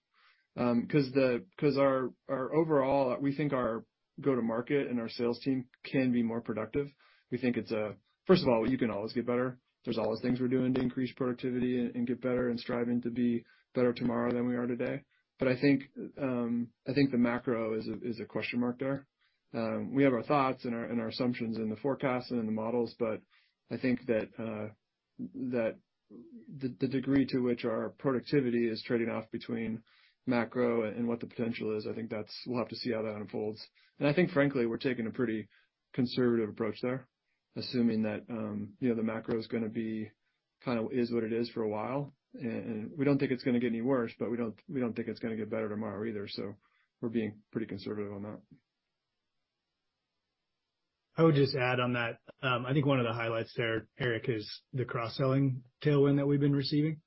'Cause our overall, we think our go-to-market and our sales team can be more productive. We think it's a... First of all, you can always get better. There's always things we're doing to increase productivity and get better and striving to be better tomorrow than we are today. But I think the macro is a question mark there. We have our thoughts and our assumptions in the forecast and in the models, but I think that the degree to which our productivity is trading off between macro and what the potential is, I think that's. We'll have to see how that unfolds. And I think frankly, we're taking a pretty conservative approach there, assuming that, you know, the macro is gonna be kind of is what it is for a while. And we don't think it's gonna get any worse, but we don't think it's gonna get better tomorrow either, so we're being pretty conservative on that. I would just add on that, I think one of the highlights there, Eric, is the cross-selling tailwind that we've been receiving.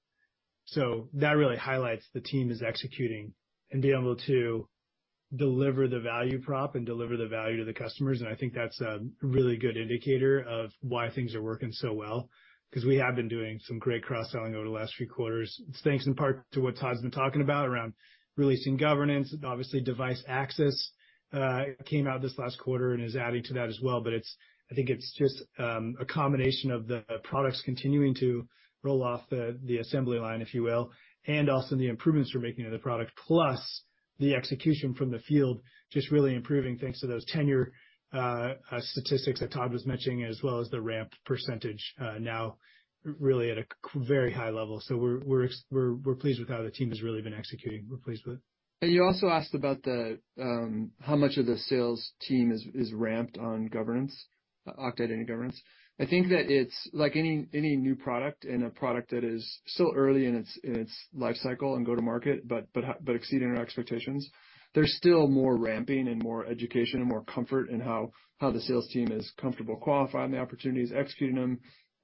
So that really highlights the team is executing and being able to deliver the value prop and deliver the value to the customers, and I think that's a really good indicator of why things are working so well, 'cause we have been doing some great cross-selling over the last few quarters. It's thanks in part to what Todd's been talking about around releasing governance. Obviously, Device Access came out this last quarter and is adding to that as well. But I think it's just a combination of the products continuing to roll off the assembly line, if you will, and also the improvements we're making to the product, plus the execution from the field just really improving thanks to those tenure statistics that Todd was mentioning, as well as the ramp percentage now really at a very high level. So we're pleased with how the team has really been executing. We're pleased with it. You also asked about the how much of the sales team is ramped on governance, Okta Identity Governance? I think that it's like any new product, and a product that is still early in its life cycle and go-to-market, but exceeding our expectations, there's still more ramping and more education and more comfort in how the sales team is comfortable qualifying the opportunities, executing them.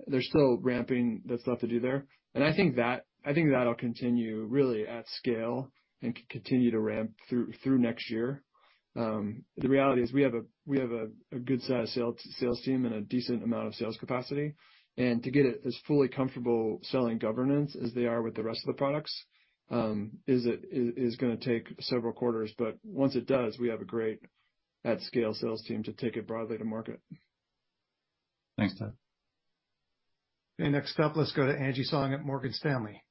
There's still ramping that's left to do there, and I think that that'll continue really at scale and continue to ramp through next year. The reality is we have a good set of sales team and a decent amount of sales capacity, and to get it as fully comfortable selling governance as they are with the rest of the products, is gonna take several quarters. But once it does, we have a great at-scale sales team to take it broadly to market. Thanks, Todd. Okay, next up, let's go to Angie Song at Morgan Stanley.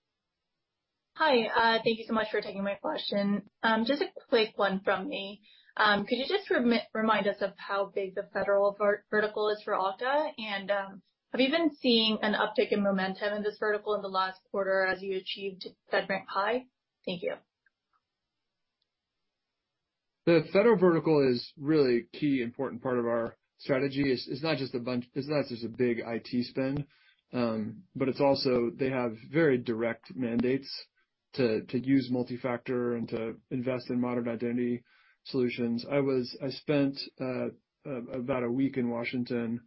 Hi, thank you so much for taking my question. Just a quick one from me. Could you just remind us of how big the federal vertical is for Okta? And, have you been seeing an uptick in momentum in this vertical in the last quarter as you achieved segment high? Thank you.... The federal vertical is really a key important part of our strategy. It's not just a big IT spend, but it's also they have very direct mandates to use multi-factor and to invest in modern identity solutions. I spent about a week in Washington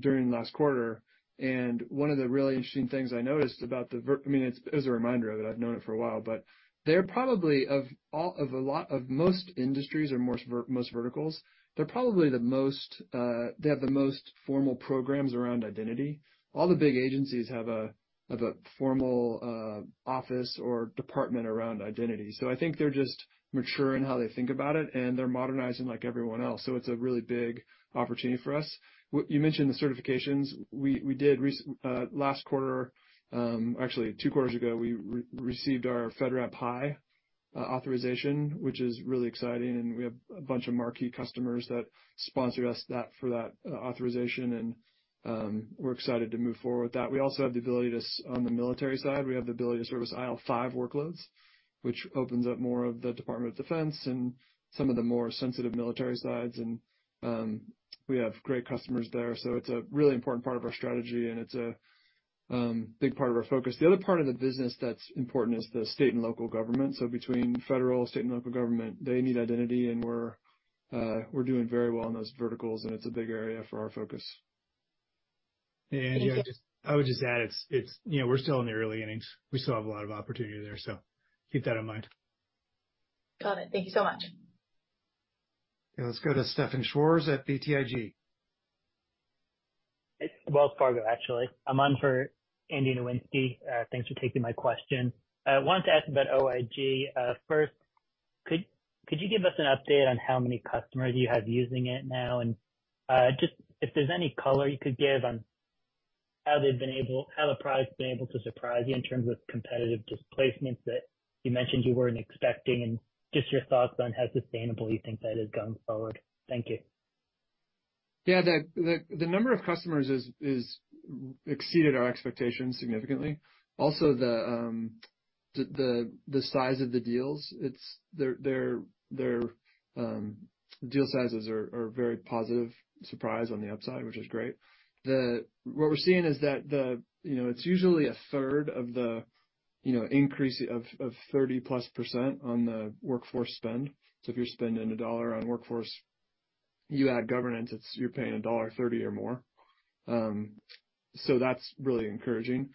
during last quarter, and one of the really interesting things I noticed about the vertical—I mean, it's as a reminder of it, I've known it for a while, but they're probably of all, of a lot, of most industries or most verticals, they're probably the most, they have the most formal programs around identity. All the big agencies have a formal office or department around identity. So I think they're just mature in how they think about it, and they're modernizing like everyone else, so it's a really big opportunity for us. You mentioned the certifications. We did receive, actually, two quarters ago, our FedRAMP High authorization, which is really exciting, and we have a bunch of marquee customers that sponsored us for that authorization, and we're excited to move forward with that. We also have the ability to, on the military side, service IL5 workloads, which opens up more of the Department of Defense and some of the more sensitive military sides, and we have great customers there. So it's a really important part of our strategy, and it's a big part of our focus. The other part of the business that's important is the state and local government. So between federal, state, and local government, they need identity, and we're doing very well in those verticals, and it's a big area for our focus. Yeah, I would just add, it's you know, we're still in the early innings. We still have a lot of opportunity there, so keep that in mind. Got it. Thank you so much. Okay, let's go to Stefan Schwarz at BTIG. It's Wells Fargo, actually. I'm on for Andy Nowinski. Thanks for taking my question. I wanted to ask about OIG. First, could you give us an update on how many customers you have using it now? And just if there's any color you could give on how the product's been able to surprise you in terms of competitive displacements that you mentioned you weren't expecting, and just your thoughts on how sustainable you think that is going forward. Thank you. Yeah, the number of customers exceeded our expectations significantly. Also, the size of the deals, it's their deal sizes are very positive surprise on the upside, which is great. What we're seeing is that, you know, it's usually a third of the increase of 30%+ on the workforce spend. So if you're spending $1 on workforce, you add governance, it's you're paying $1.30 or more. So that's really encouraging.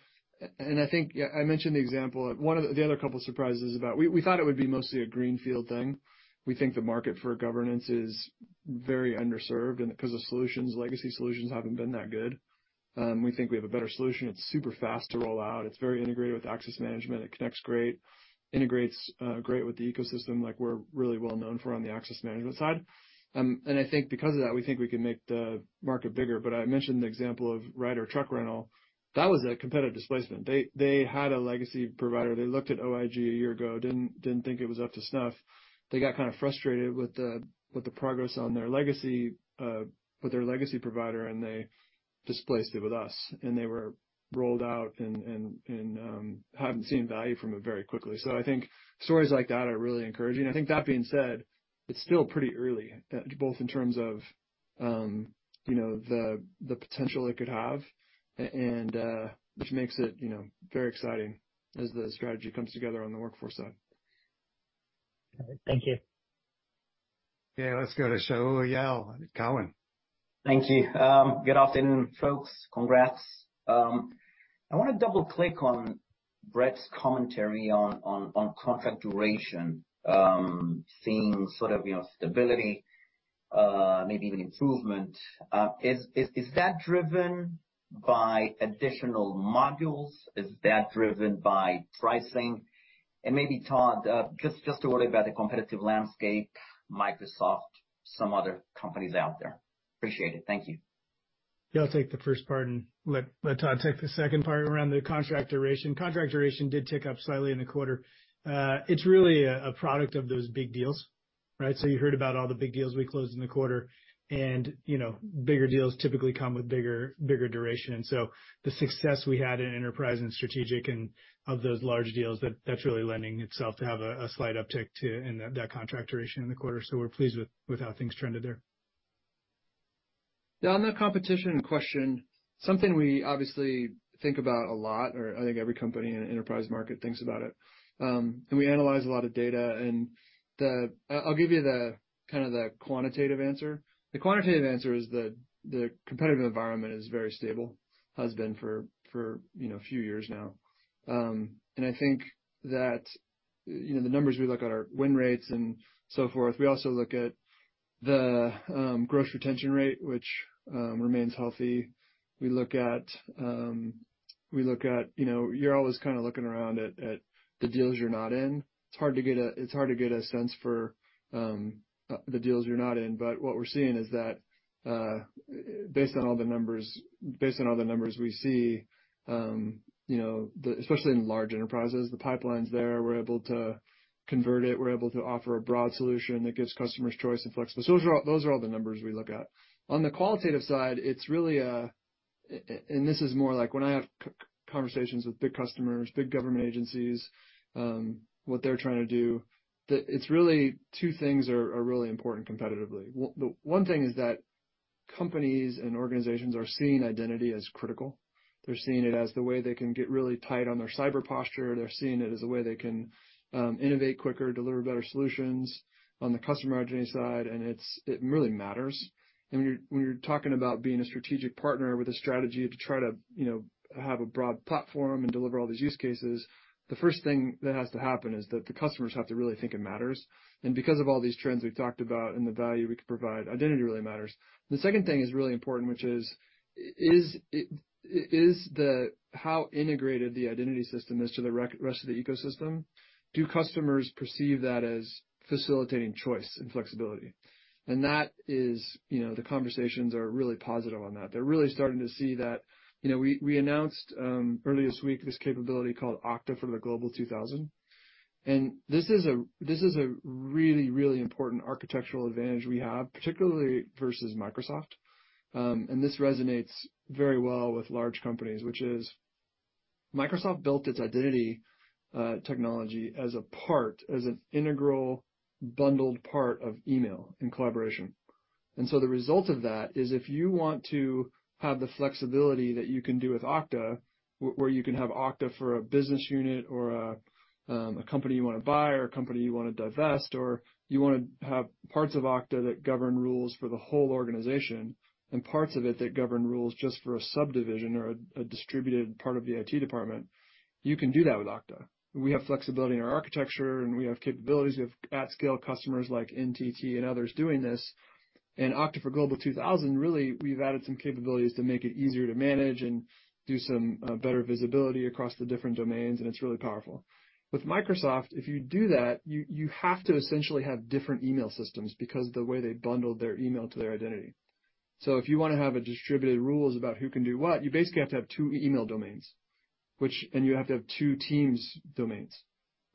And I think I mentioned the example, one of the other couple surprises about. We thought it would be mostly a greenfield thing. We think the market for governance is very underserved, and 'cause of legacy solutions haven't been that good. We think we have a better solution. It's super fast to roll out. It's very integrated with access management. It connects great, integrates great with the ecosystem, like we're really well known for on the access management side. And I think because of that, we think we can make the market bigger, but I mentioned the example of Ryder Truck Rental. That was a competitive displacement. They had a legacy provider. They looked at OIG a year ago, didn't think it was up to snuff. They got kind of frustrated with the progress on their legacy provider, and they displaced it with us, and they were rolled out and having seen value from it very quickly. So I think stories like that are really encouraging. I think that being said, it's still pretty early, both in terms of, you know, the potential it could have, and which makes it, you know, very exciting as the strategy comes together on the workforce side. All right. Thank you. Okay, let's go to Shaul Eyal, Cowen. Thank you. Good afternoon, folks. Congrats. I want to double-click on Brett's commentary on contract duration, seeing sort of, you know, stability, maybe even improvement. Is that driven by additional modules? Is that driven by pricing? And maybe, Todd, just to worry about the competitive landscape, Microsoft, some other companies out there. Appreciate it. Thank you. Yeah, I'll take the first part and let Todd take the second part around the contract duration. Contract duration did tick up slightly in the quarter. It's really a product of those big deals, right? So you heard about all the big deals we closed in the quarter, and, you know, bigger deals typically come with bigger duration. And so the success we had in enterprise and strategic and of those large deals, that's really lending itself to have a slight uptick in that contract duration in the quarter. So we're pleased with how things trended there. Yeah, on the competition question, something we obviously think about a lot, or I think every company in the enterprise market thinks about it, and we analyze a lot of data, and I'll give you the kind of quantitative answer. The quantitative answer is the competitive environment is very stable, has been for, you know, a few years now. And I think that, you know, the numbers we look at are win rates and so forth. We also look at the gross retention rate, which remains healthy. We look at, you know, you're always kind of looking around at the deals you're not in. It's hard to get a sense for the deals you're not in, but what we're seeing is that based on all the numbers, based on all the numbers we see, you know, especially in large enterprises, the pipelines there, we're able to convert it. We're able to offer a broad solution that gives customers choice and flexibility. Those are all the numbers we look at. On the qualitative side, it's really and this is more like when I have conversations with big customers, big government agencies, what they're trying to do, it's really two things are really important competitively. One thing is that companies and organizations are seeing identity as critical. They're seeing it as the way they can get really tight on their cyber posture. They're seeing it as a way they can innovate quicker, deliver better solutions on the customer journey side, and it really matters. And when you're talking about being a strategic partner with a strategy to try to, you know, have a broad platform and deliver all these use cases, the first thing that has to happen is that the customers have to really think it matters. And because of all these trends we've talked about and the value we can provide, identity really matters. The second thing is really important, which is, is it, is the how integrated the identity system is to the rest of the ecosystem, do customers perceive that as facilitating choice and flexibility? And that is, you know, the conversations are really positive on that. They're really starting to see that... You know, we announced earlier this week this capability called Okta for Global 2000, and this is a really, really important architectural advantage we have, particularly versus Microsoft. And this resonates very well with large companies, which is Microsoft built its identity technology as a part, as an integral, bundled part of email and collaboration. And so the result of that is, if you want to have the flexibility that you can do with Okta, where you can have Okta for a business unit or a company you want to buy, or a company you want to divest, or you want to have parts of Okta that govern rules for the whole organization, and parts of it that govern rules just for a subdivision or a distributed part of the IT department, you can do that with Okta. We have flexibility in our architecture, and we have capabilities. We have at-scale customers like NTT and others doing this. And Okta for Global 2000, really, we've added some capabilities to make it easier to manage and do some better visibility across the different domains, and it's really powerful. With Microsoft, if you do that, you have to essentially have different email systems because of the way they bundled their email to their identity. So if you want to have a distributed rules about who can do what, you basically have to have two email domains, which and you have to have two Teams domains,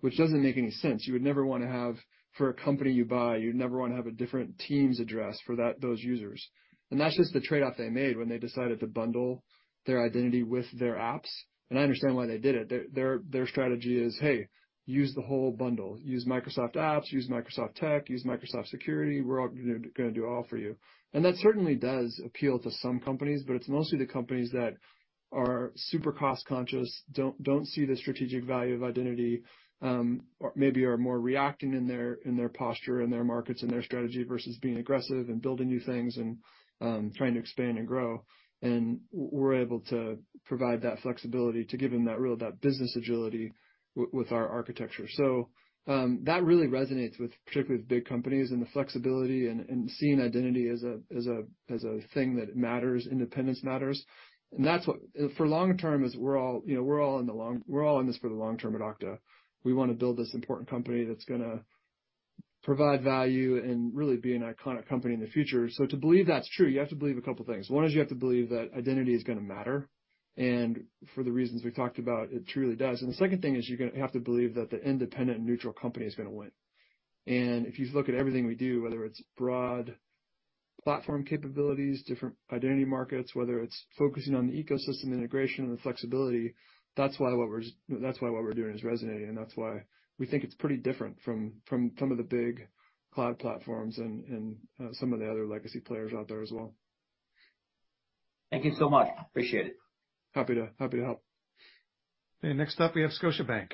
which doesn't make any sense. You would never want to have, for a company you buy, you'd never want to have a different Teams address for that, those users. And that's just the trade-off they made when they decided to bundle their identity with their apps, and I understand why they did it. Their strategy is, "Hey, use the whole bundle. Use Microsoft apps, use Microsoft tech, use Microsoft security. We're all gonna do it all for you." And that certainly does appeal to some companies, but it's mostly the companies that are super cost conscious, don't see the strategic value of identity, or maybe are more reacting in their posture, in their markets and their strategy, versus being aggressive and building new things and trying to expand and grow. And we're able to provide that flexibility to give them that real, that business agility with our architecture. So, that really resonates with, particularly with big companies, and the flexibility and seeing identity as a thing that matters, independence matters. And that's what for the long term is: we're all, you know, we're all in this for the long term at Okta. We want to build this important company that's gonna provide value and really be an iconic company in the future. So to believe that's true, you have to believe a couple things. One is you have to believe that identity is going to matter, and for the reasons we talked about, it truly does. And the second thing is, you're gonna have to believe that the independent, neutral company is going to win. And if you look at everything we do, whether it's broad platform capabilities, different identity markets, whether it's focusing on the ecosystem integration and the flexibility, that's why what we're doing is resonating, and that's why we think it's pretty different from some of the big cloud platforms and some of the other legacy players out there as well. Thank you so much. Appreciate it. Happy to help. Okay, next up, we have Scotiabank.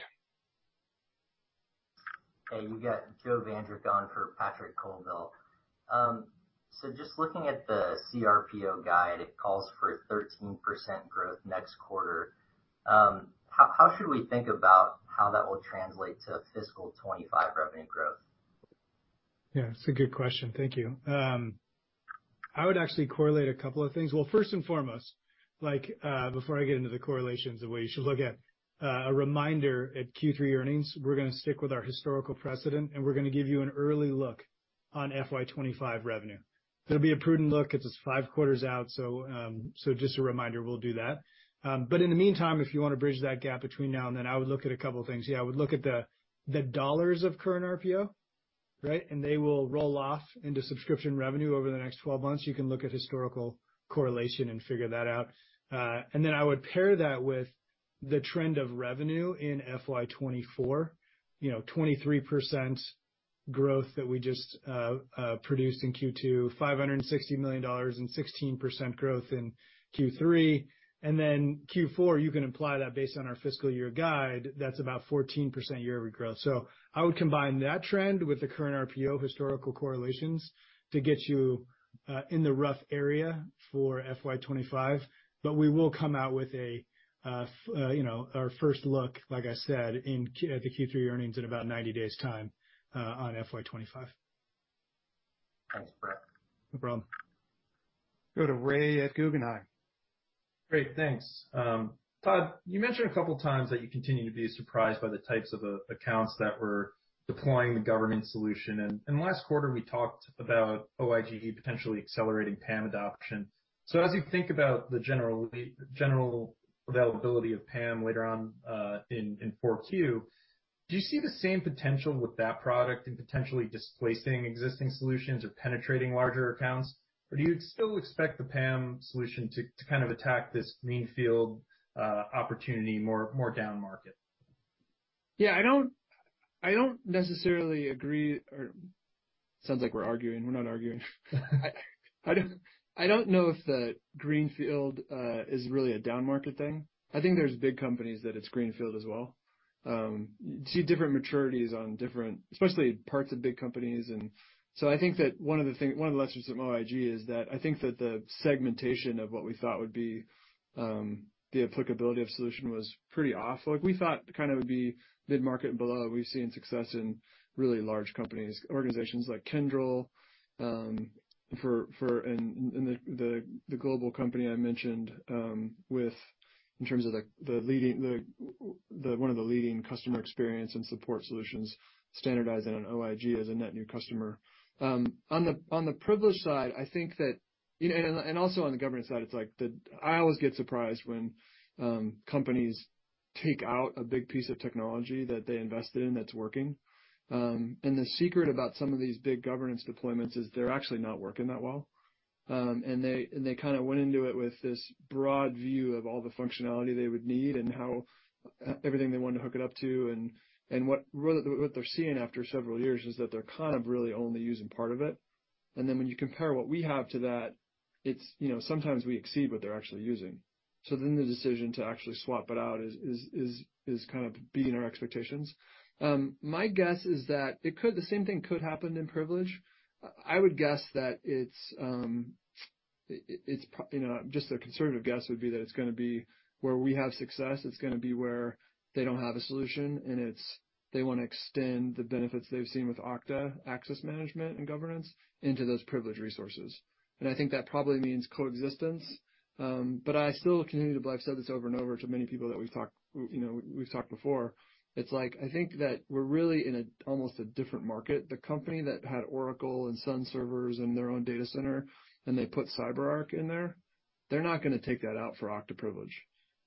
Hey, you got Joe Vandergon for Patrick Colville. So just looking at the CRPO guide, it calls for 13% growth next quarter. How should we think about how that will translate to fiscal 2025 revenue growth? Yeah, it's a good question. Thank you. I would actually correlate a couple of things. Well, first and foremost, like, before I get into the correlations of what you should look at, a reminder, at Q3 earnings, we're gonna stick with our historical precedent, and we're gonna give you an early look on FY 25 revenue. It'll be a prudent look. It's just five quarters out, so, so just a reminder, we'll do that. But in the meantime, if you want to bridge that gap between now and then, I would look at a couple of things. Yeah, I would look at the dollars of current RPO, right? And they will roll off into subscription revenue over the next 12 months. You can look at historical correlation and figure that out. And then I would pair that with the trend of revenue in FY 2024. You know, 23% growth that we just produced in Q2, $560 million, and 16% growth in Q3. And then Q4, you can imply that based on our fiscal year guide, that's about 14% year-over-year growth. So I would combine that trend with the current RPO historical correlations to get you in the rough area for FY 2025, but we will come out with a, you know, our first look, like I said, in Q3 at the Q3 earnings in about 90 days time, on FY 2025. Thanks, Brett. No problem. Go to Ray at Guggenheim. Great, thanks. Todd, you mentioned a couple of times that you continue to be surprised by the types of accounts that were deploying the governance solution, and last quarter, we talked about OIG potentially accelerating PAM adoption. So as you think about the general availability of PAM later on in Q4... Do you see the same potential with that product in potentially displacing existing solutions or penetrating larger accounts? Or do you still expect the PAM solution to kind of attack this greenfield opportunity more down market? Yeah, I don't necessarily agree. Sounds like we're arguing. We're not arguing. I don't know if the greenfield is really a down-market thing. I think there's big companies that it's greenfield as well. You see different maturities on different, especially parts of big companies. And so I think that one of the lessons from OIG is that I think that the segmentation of what we thought would be the applicability of solution was pretty off. Like, we thought kind of it would be mid-market and below. We've seen success in really large companies, organizations like Kyndryl, and the global company I mentioned, with, in terms of the leading, one of the leading customer experience and support solutions standardizing on OIG as a net new customer. On the privilege side, I think that, you know, and also on the governance side, it's like the... I always get surprised when companies take out a big piece of technology that they invested in that's working. And the secret about some of these big governance deployments is they're actually not working that well. And they kind of went into it with this broad view of all the functionality they would need and how everything they wanted to hook it up to, and what really they're seeing after several years is that they're kind of really only using part of it. And then when you compare what we have to that, it's, you know, sometimes we exceed what they're actually using. So then the decision to actually swap it out is kind of beating our expectations. My guess is that the same thing could happen in privilege. I would guess that it's. You know, just a conservative guess would be that it's gonna be where we have success, it's gonna be where they don't have a solution, and it's they wanna extend the benefits they've seen with Okta access management and governance into those privilege resources. And I think that probably means coexistence, but I still continue to believe, I've said this over and over to many people that we've talked, you know, we've talked before, it's like I think that we're really in almost a different market. The company that had Oracle and Sun servers in their own data center, and they put CyberArk in there, they're not gonna take that out for Okta privilege.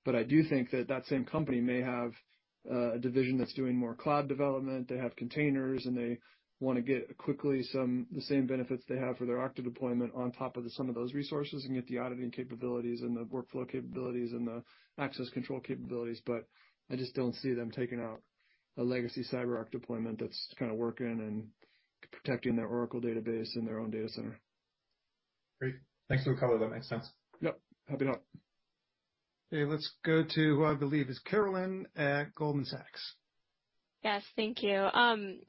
But I do think that that same company may have a division that's doing more cloud development. They have containers, and they wanna get quickly some, the same benefits they have for their Okta deployment on top of some of those resources and get the auditing capabilities and the workflow capabilities and the access control capabilities. But I just don't see them taking out a legacy CyberArk deployment that's kind of working and protecting their Oracle database in their own data center. Great. Thanks for the color. That makes sense. Yep. Happy to help. Okay, let's go to, who I believe is Caroline at Goldman Sachs. Yes, thank you.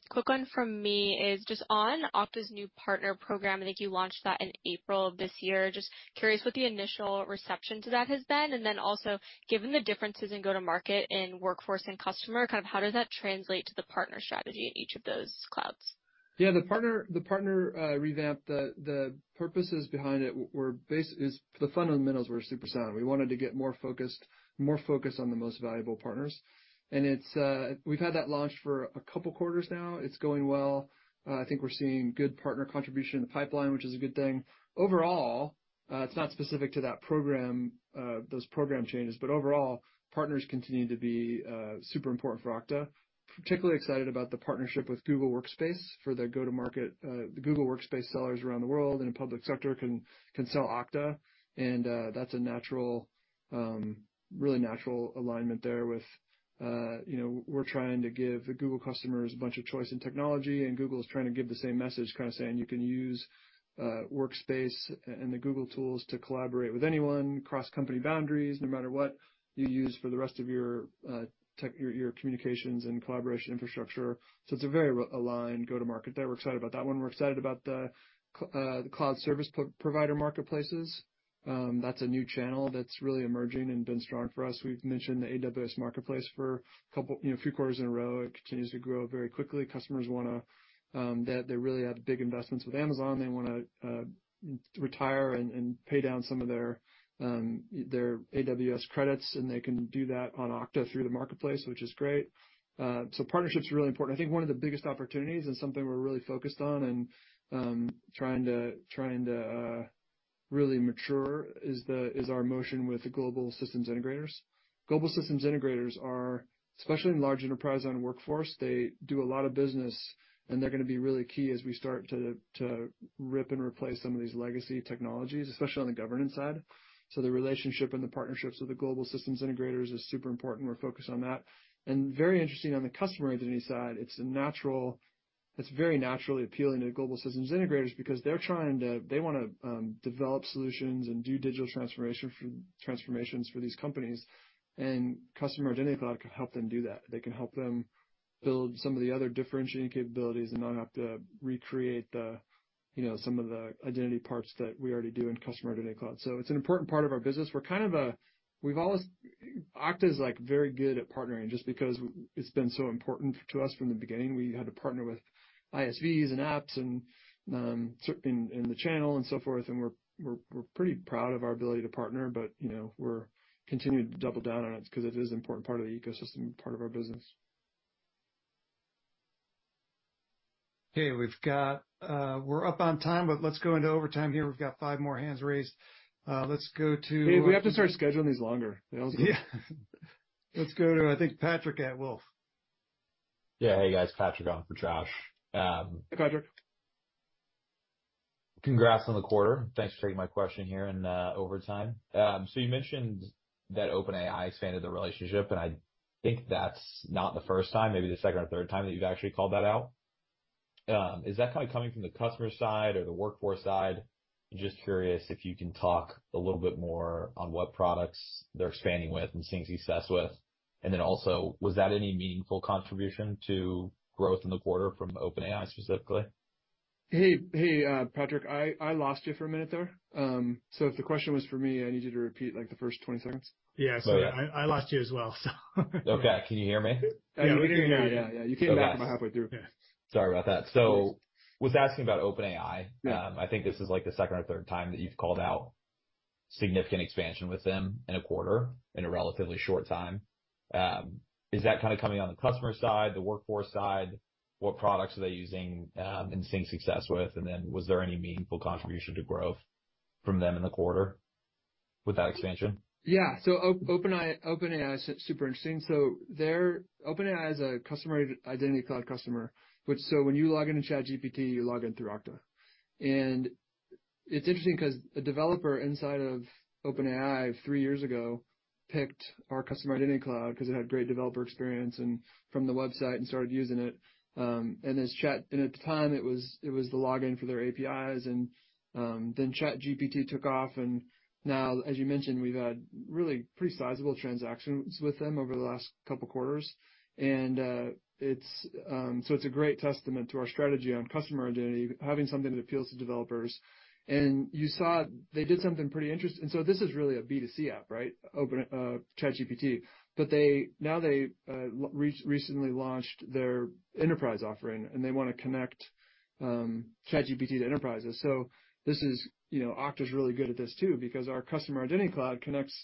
Quick one from me is just on Okta's new partner program. I think you launched that in April of this year. Just curious what the initial reception to that has been, and then also, given the differences in go-to-market in Workforce and Customer, kind of how does that translate to the partner strategy in each of those clouds? Yeah, the partner revamp, the purposes behind it were basically the fundamentals were super sound. We wanted to get more focused on the most valuable partners, and it's... We've had that launched for a couple quarters now. It's going well. I think we're seeing good partner contribution in the pipeline, which is a good thing. Overall, it's not specific to that program, those program changes, but overall, partners continue to be super important for Okta. Particularly excited about the partnership with Google Workspace for their go-to-market. The Google Workspace sellers around the world in the public sector can sell Okta, and that's a natural, really natural alignment there with, you know, we're trying to give the Google customers a bunch of choice in technology, and Google is trying to give the same message, kind of saying you can use Workspace and the Google tools to collaborate with anyone, cross company boundaries, no matter what you use for the rest of your communications and collaboration infrastructure. So it's a very aligned go-to-market there. We're excited about that one. We're excited about the cloud service provider marketplaces. That's a new channel that's really emerging and been strong for us. We've mentioned the AWS Marketplace for a couple, you know, a few quarters in a row. It continues to grow very quickly. Customers wanna that they really have big investments with Amazon. They wanna retire and pay down some of their their AWS credits, and they can do that on Okta through the marketplace, which is great. So partnership's really important. I think one of the biggest opportunities and something we're really focused on and trying to really mature is our motion with the global systems integrators. Global systems integrators are, especially in large enterprise on Workforce, they do a lot of business, and they're gonna be really key as we start to rip and replace some of these legacy technologies, especially on the governance side. So the relationship and the partnerships with the global systems integrators is super important. We're focused on that. Very interesting, on the customer identity side, it's very naturally appealing to global systems integrators because they're trying to... They wanna develop solutions and do digital transformation for, transformations for these companies, and Customer Identity Cloud can help them do that. They can help them build some of the other differentiating capabilities and not have to recreate the, you know, some of the identity parts that we already do in Customer Identity Cloud. So it's an important part of our business. We're kind of a, we've always, Okta is, like, very good at partnering, just because it's been so important to us from the beginning. We had to partner with ISVs and apps and in the channel and so forth, and we're pretty proud of our ability to partner, but, you know, we're continuing to double down on it because it is an important part of the ecosystem, part of our business.... Okay, we've got, we're up on time, but let's go into overtime here. We've got five more hands raised. Let's go to- Hey, we have to start scheduling these longer. Yeah. Let's go to, I think, Patrick at Wolfe. Yeah. Hey, guys. Patrick on for Josh. Hey, Patrick. Congrats on the quarter. Thanks for taking my question here in overtime. So you mentioned that OpenAI expanded the relationship, and I think that's not the first time, maybe the second or third time, that you've actually called that out. Is that kind of coming from the customer side or the workforce side? Just curious if you can talk a little bit more on what products they're expanding with and seeing success with. And then also, was that any meaningful contribution to growth in the quarter from OpenAI, specifically? Hey, hey, Patrick, I lost you for a minute there. So if the question was for me, I need you to repeat, like, the first 20 seconds. Yeah. So I, I lost you as well, so... Okay. Can you hear me? Yeah, we can hear you. Yeah, yeah. You came back about halfway through. Sorry about that. So was asking about OpenAI. Yeah. I think this is, like, the second or third time that you've called out significant expansion with them in a quarter in a relatively short time. Is that kind of coming on the customer side, the workforce side? What products are they using, and seeing success with? And then was there any meaningful contribution to growth from them in the quarter with that expansion? Yeah. So OpenAI is super interesting. So they're OpenAI is a Customer Identity Cloud customer, which, so when you log into ChatGPT, you log in through Okta. And it's interesting because a developer inside of OpenAI, three years ago, picked our Customer Identity Cloud because it had great developer experience and from the website and started using it, and at the time, it was the login for their APIs, and then ChatGPT took off, and now, as you mentioned, we've had really pretty sizable transactions with them over the last couple quarters. And it's so it's a great testament to our strategy on customer identity, having something that appeals to developers. And you saw they did something pretty interesting. And so this is really a B2C app, right? OpenAI ChatGPT. But they now recently launched their enterprise offering, and they want to connect ChatGPT to enterprises. So this is... You know, Okta's really good at this, too, because our Customer Identity Cloud connects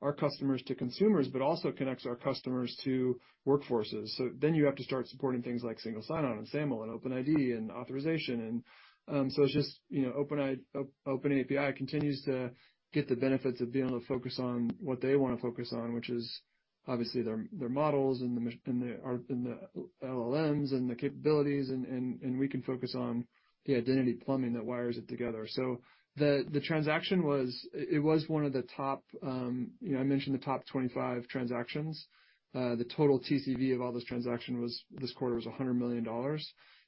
our customers to consumers, but also connects our customers to workforces. So then you have to start supporting things like single sign-on and SAML and OpenID and authorization. And so it's just, you know, OpenAI continues to get the benefits of being able to focus on what they want to focus on, which is obviously their models and the LLMs and the capabilities, and we can focus on the identity plumbing that wires it together. So the transaction was... It was one of the top, you know, I mentioned the top 25 transactions. The total TCV of all those transactions was, this quarter, was $100 million.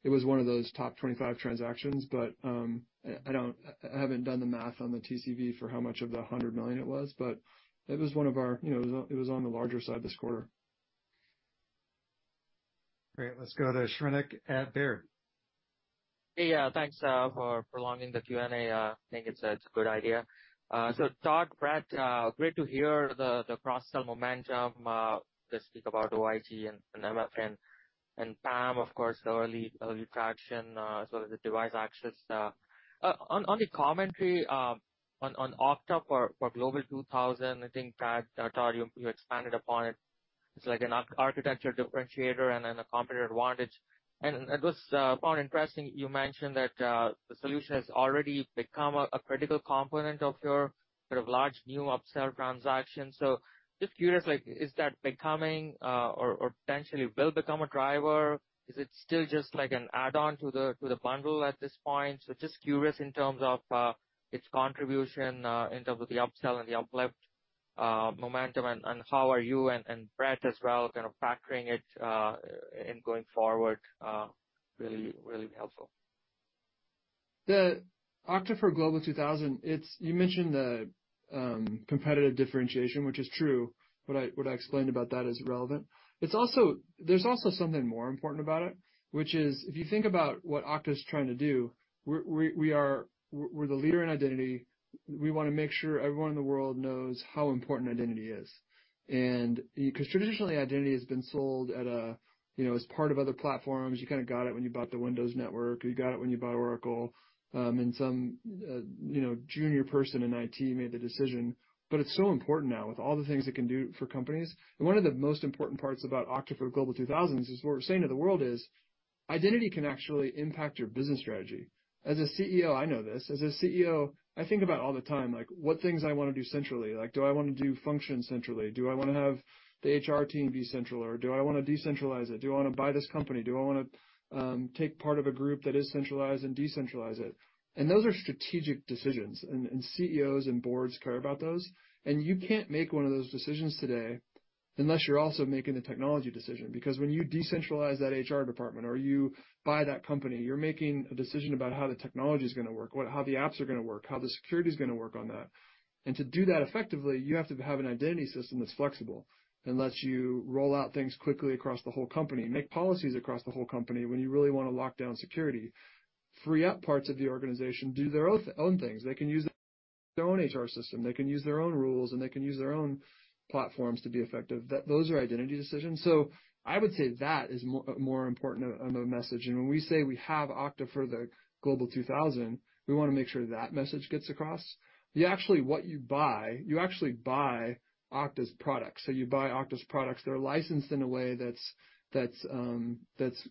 It was one of those top 25 transactions, but I don't—I haven't done the math on the TCV for how much of the $100 million it was, but it was one of our, you know, it was, it was on the larger side this quarter. Great. Let's go to Shrenik at Baird. Hey. Yeah, thanks for prolonging the Q&A. I think it's a good idea. So Todd, Brett, great to hear the cross-sell momentum to speak about OIG and MFA and PAM, of course, early traction as well as the Device Access. On the commentary on Okta for Global 2000, I think, Todd, you expanded upon it. It's like an architecture differentiator and then a competitive advantage. And it was quite interesting, you mentioned that the solution has already become a critical component of your sort of large new upsell transaction. So just curious, like, is that becoming or potentially will become a driver? Is it still just like an add-on to the bundle at this point? So, just curious in terms of its contribution in terms of the upsell and the uplift momentum, and how are you and Brett as well kind of factoring it in going forward, really, really be helpful. The Okta for Global 2000, it's— You mentioned the competitive differentiation, which is true. What I explained about that is relevant. It's also— There's also something more important about it, which is, if you think about what Okta's trying to do, we're the leader in identity. We want to make sure everyone in the world knows how important identity is. And because traditionally, identity has been sold at a, you know, as part of other platforms. You kind of got it when you bought the Windows network, you got it when you buy Oracle, and some, you know, junior person in IT made the decision. But it's so important now with all the things it can do for companies. One of the most important parts about Okta for Global 2000 is what we're saying to the world is: Identity can actually impact your business strategy. As a CEO, I know this. As a CEO, I think about it all the time, like what things I want to do centrally? Like, do I want to do function centrally? Do I want to have the HR team be central, or do I want to decentralize it? Do I want to buy this company? Do I want to take part of a group that is centralized and decentralize it? And those are strategic decisions, and CEOs and boards care about those. You can't make one of those decisions today unless you're also making the technology decision, because when you decentralize that HR department or you buy that company, you're making a decision about how the technology is gonna work, how the apps are gonna work, how the security is gonna work on that. And to do that effectively, you have to have an identity system that's flexible and lets you roll out things quickly across the whole company, make policies across the whole company when you really want to lock down security, free up parts of the organization, do their own things. They can use their own HR system, they can use their own rules, and they can use their own platforms to be effective. Those are identity decisions. So I would say that is more important of a message. When we say we have Okta for the Global 2000, we want to make sure that message gets across. You actually, what you buy, you actually buy Okta's products. So you buy Okta's products that are licensed in a way that's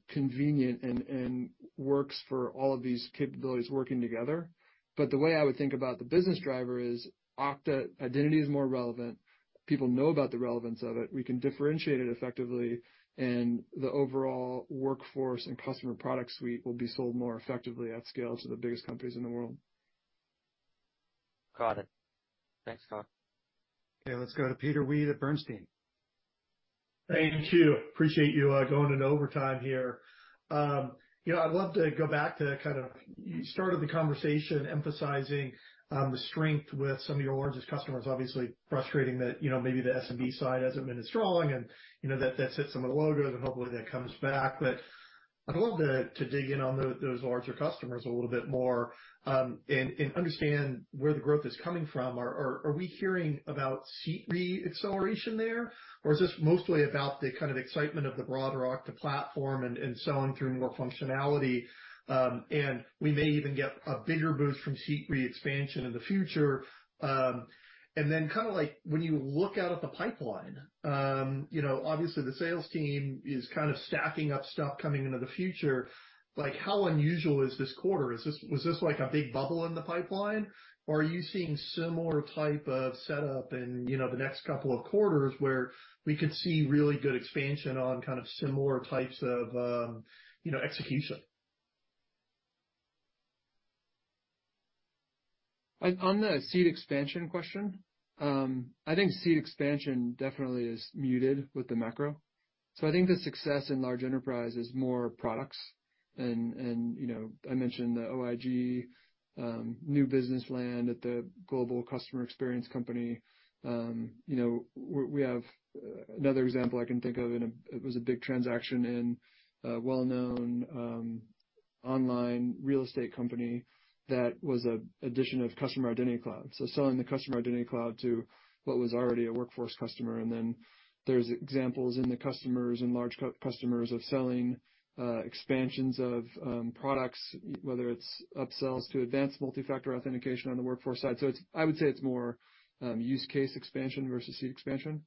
convenient and works for all of these capabilities working together. But the way I would think about the business driver is Okta Identity is more relevant. People know about the relevance of it. We can differentiate it effectively, and the overall workforce and customer product suite will be sold more effectively at scale to the biggest companies in the world. Got it. Thanks, Todd. Okay, let's go to Peter Weed at Bernstein. Thank you. Appreciate you, going into overtime here. You know, I'd love to go back to kind of, you started the conversation emphasizing, the strength with some of your largest customers, obviously frustrating that, you know, maybe the SMB side hasn't been as strong, and, you know, that that hits some of the logos, and hopefully that comes back. But I'd love to, to dig in on those larger customers a little bit more, and, and understand where the growth is coming from. Are, are, are we hearing about seat re-acceleration there, or is this mostly about the kind of excitement of the broader Okta platform and, and selling through more functionality, and we may even get a bigger boost from seat re-expansion in the future? And then kind of like when you look out at the pipeline, you know, obviously, the sales team is kind of stacking up stuff coming into the future. Like, how unusual is this quarter? Is this—was this like a big bubble in the pipeline, or are you seeing similar type of setup in, you know, the next couple of quarters where we could see really good expansion on kind of similar types of, you know, execution? On the seat expansion question, I think seat expansion definitely is muted with the macro. So I think the success in large enterprise is more products. And, you know, I mentioned the OIG, new business land at the global customer experience company. You know, we have another example I can think of, and it was a big transaction in a well-known online real estate company that was an addition of Customer Identity Cloud. So selling the Customer Identity Cloud to what was already a workforce customer, and then there's examples in the customers and large customers of selling expansions of products, whether it's upsells to advanced multi-factor authentication on the workforce side. So it's I would say it's more use case expansion versus seat expansion.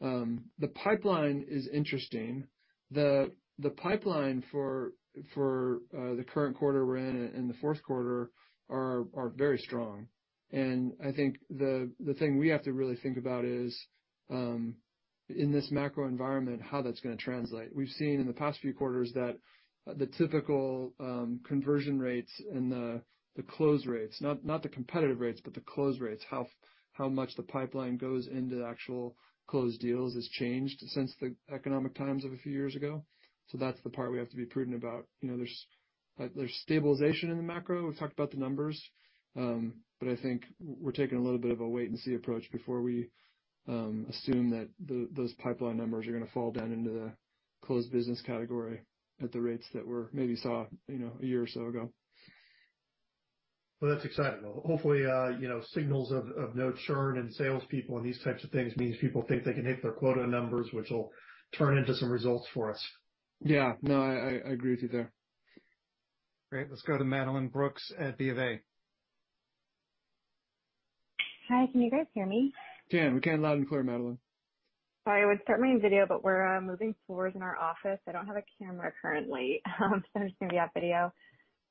The pipeline is interesting. The pipeline for the current quarter we're in, in the fourth quarter, is very strong. And I think the thing we have to really think about is, in this macro environment, how that's going to translate. We've seen in the past few quarters that the typical conversion rates and the close rates, not the competitive rates, but the close rates, how much the pipeline goes into the actual closed deals, has changed since the economic times of a few years ago. So that's the part we have to be prudent about. You know, there's stabilization in the macro. We've talked about the numbers, but I think we're taking a little bit of a wait-and-see approach before we assume that those pipeline numbers are going to fall down into the closed business category at the rates that we're maybe saw, you know, a year or so ago. Well, that's exciting. Well, hopefully, you know, signals of no churn in salespeople and these types of things means people think they can hit their quota numbers, which will turn into some results for us. Yeah. No, I agree with you there. Great. Let's go to Madeline Brooks at BofA. Hi, can you guys hear me? We can, loud and clear, Madeline. Sorry, I would start my video, but we're moving floors in our office. I don't have a camera currently, so I'm just going to be off video.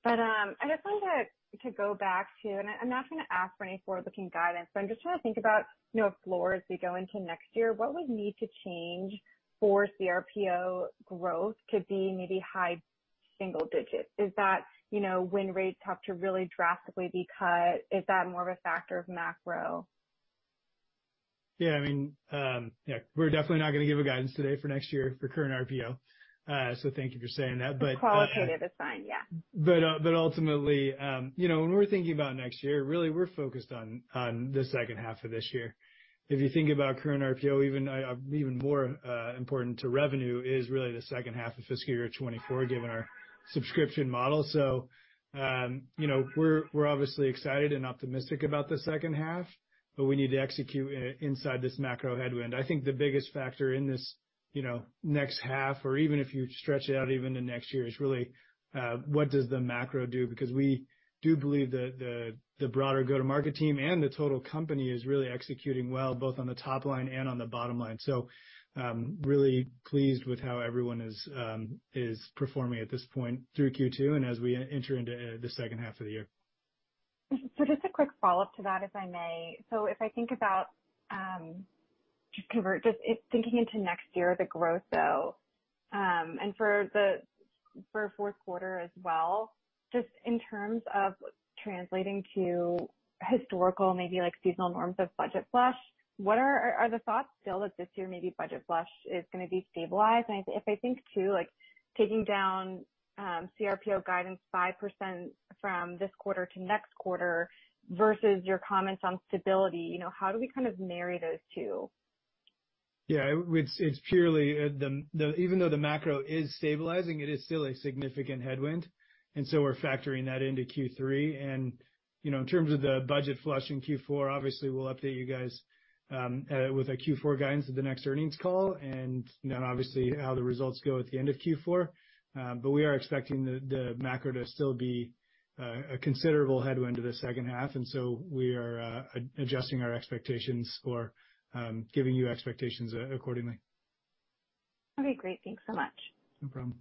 But I just wanted to go back to... I'm not going to ask for any forward-looking guidance, but I'm just trying to think about, you know, floors we go into next year, what would need to change for CRPO growth to be maybe high single digits? Is that, you know, when rates have to really drastically be cut, more of a factor of macro? Yeah, I mean, yeah, we're definitely not going to give a guidance today for next year for current RPO. So thank you for saying that. But, Qualitative is fine, yeah. But ultimately, you know, when we're thinking about next year, really, we're focused on the second half of this year. If you think about current RPO, even more important to revenue is really the second half of fiscal year 2024, given our subscription model. So, you know, we're obviously excited and optimistic about the second half, but we need to execute inside this macro headwind. I think the biggest factor in this, you know, next half, or even if you stretch it out even to next year, is really what does the macro do? Because we do believe that the broader go-to-market team and the total company is really executing well, both on the top line and on the bottom line. So, really pleased with how everyone is performing at this point through Q2 and as we enter into the second half of the year. So just a quick follow-up to that, if I may. So if I think about, just thinking into next year, the growth, though, and for the fourth quarter as well, just in terms of translating to historical, maybe, like, seasonal norms of budget flush, what are... Are, are the thoughts still that this year, maybe budget flush is going to be stabilized? And if I think, too, like, taking down, CRPO guidance 5% from this quarter to next quarter versus your comments on stability, you know, how do we kind of marry those two?... Yeah, it's purely the even though the macro is stabilizing, it is still a significant headwind, and so we're factoring that into Q3. And, you know, in terms of the budget flush in Q4, obviously, we'll update you guys with a Q4 guidance at the next earnings call, and then, obviously, how the results go at the end of Q4. But we are expecting the macro to still be a considerable headwind to the second half, and so we are adjusting our expectations for giving you expectations accordingly. Okay, great. Thanks so much. No problem.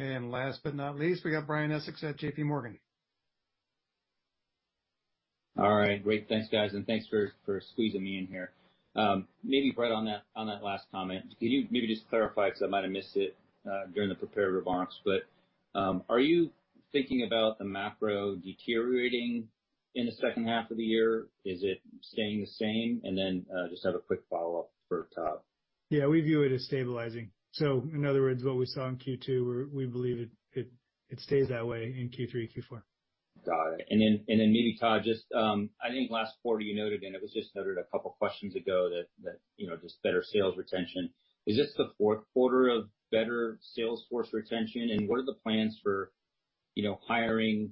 Last but not least, we got Brian Essex at J.P. Morgan. All right. Great. Thanks, guys, and thanks for squeezing me in here. Maybe, Brett, on that last comment, could you maybe just clarify, because I might have missed it during the prepared remarks, but are you thinking about the macro deteriorating in the second half of the year? Is it staying the same? And then, just have a quick follow-up for Todd. Yeah, we view it as stabilizing. So in other words, what we saw in Q2, we believe it stays that way in Q3, Q4. Got it. And then maybe, Todd, just, I think last quarter you noted, and it was just noted a couple of questions ago, that you know, just better sales retention. Is this the fourth quarter of better sales force retention? And what are the plans for, you know, hiring,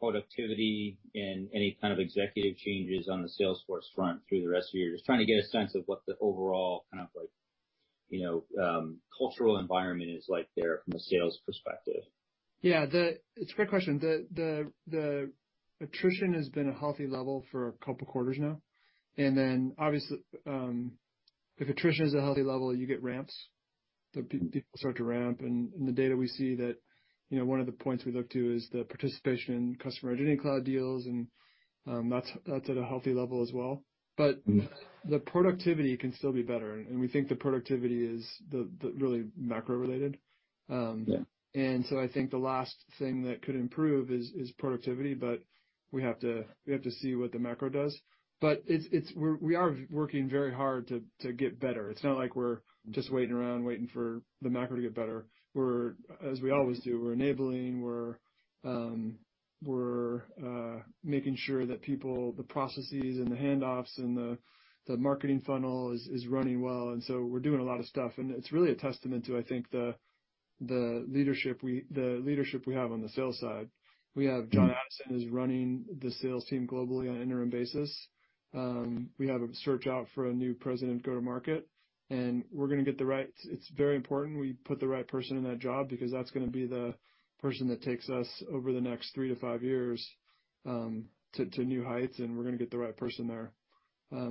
productivity, and any kind of executive changes on the sales force front through the rest of the year? Just trying to get a sense of what the overall kind of like, you know, cultural environment is like there from a sales perspective. Yeah, it's a great question. The attrition has been a healthy level for a couple quarters now, and then, obviously, if attrition is a healthy level, you get ramps. The people start to ramp, and in the data we see that, you know, one of the points we look to is the participation in Customer Identity Cloud deals, and that's at a healthy level as well. But the productivity can still be better, and we think the productivity is the really macro related. Yeah. And so I think the last thing that could improve is productivity, but we have to see what the macro does. But it's. We're working very hard to get better. It's not like we're just waiting around, waiting for the macro to get better. We're, as we always do, we're enabling, we're making sure that people, the processes and the handoffs and the marketing funnel is running well, and so we're doing a lot of stuff, and it's really a testament to, I think, the leadership we have on the sales side. We have Jon Addison, who's running the sales team globally on an interim basis. We have a search out for a new President, Go-to-Market, and we're gonna get the right. It's very important we put the right person in that job because that's gonna be the person that takes us over the next 3-5 years to new heights, and we're gonna get the right person there.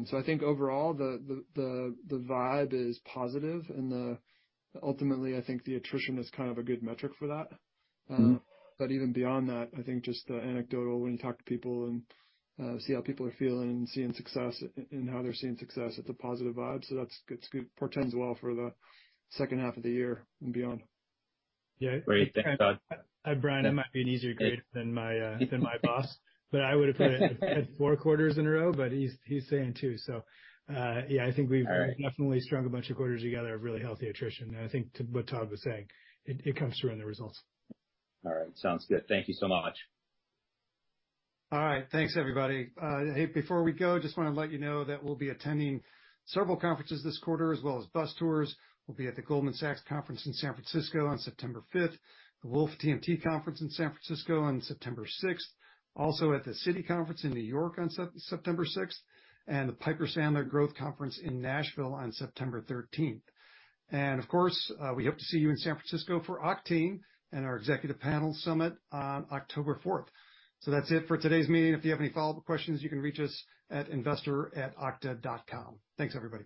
So I think overall, the vibe is positive, and ultimately, I think the attrition is kind of a good metric for that. But even beyond that, I think just the anecdotal, when you talk to people and see how people are feeling and seeing success and how they're seeing success, it's a positive vibe, so that's good. It portends well for the second half of the year and beyond. Yeah. Great. Thanks, Todd. Hi, Brian. I might be an easier grade than my boss, but I would have put it at four quarters in a row, but he's saying two. So, yeah, I think we've- All right... definitely strung a bunch of quarters together of really healthy attrition, and I think to what Todd was saying, it comes through in the results. All right. Sounds good. Thank you so much. All right. Thanks, everybody. Hey, before we go, just want to let you know that we'll be attending several conferences this quarter as well as bus tours. We'll be at the Goldman Sachs conference in San Francisco on September fifth, the Wolfe TMT Conference in San Francisco on September sixth, also at the Citi Conference in New York on September sixth, and the Piper Sandler Growth Conference in Nashville on September thirteenth. And of course, we hope to see you in San Francisco for Oktane and our Executive Panel Summit on October fourth. So that's it for today's meeting. If you have any follow-up questions, you can reach us at investor@okta.com. Thanks, everybody.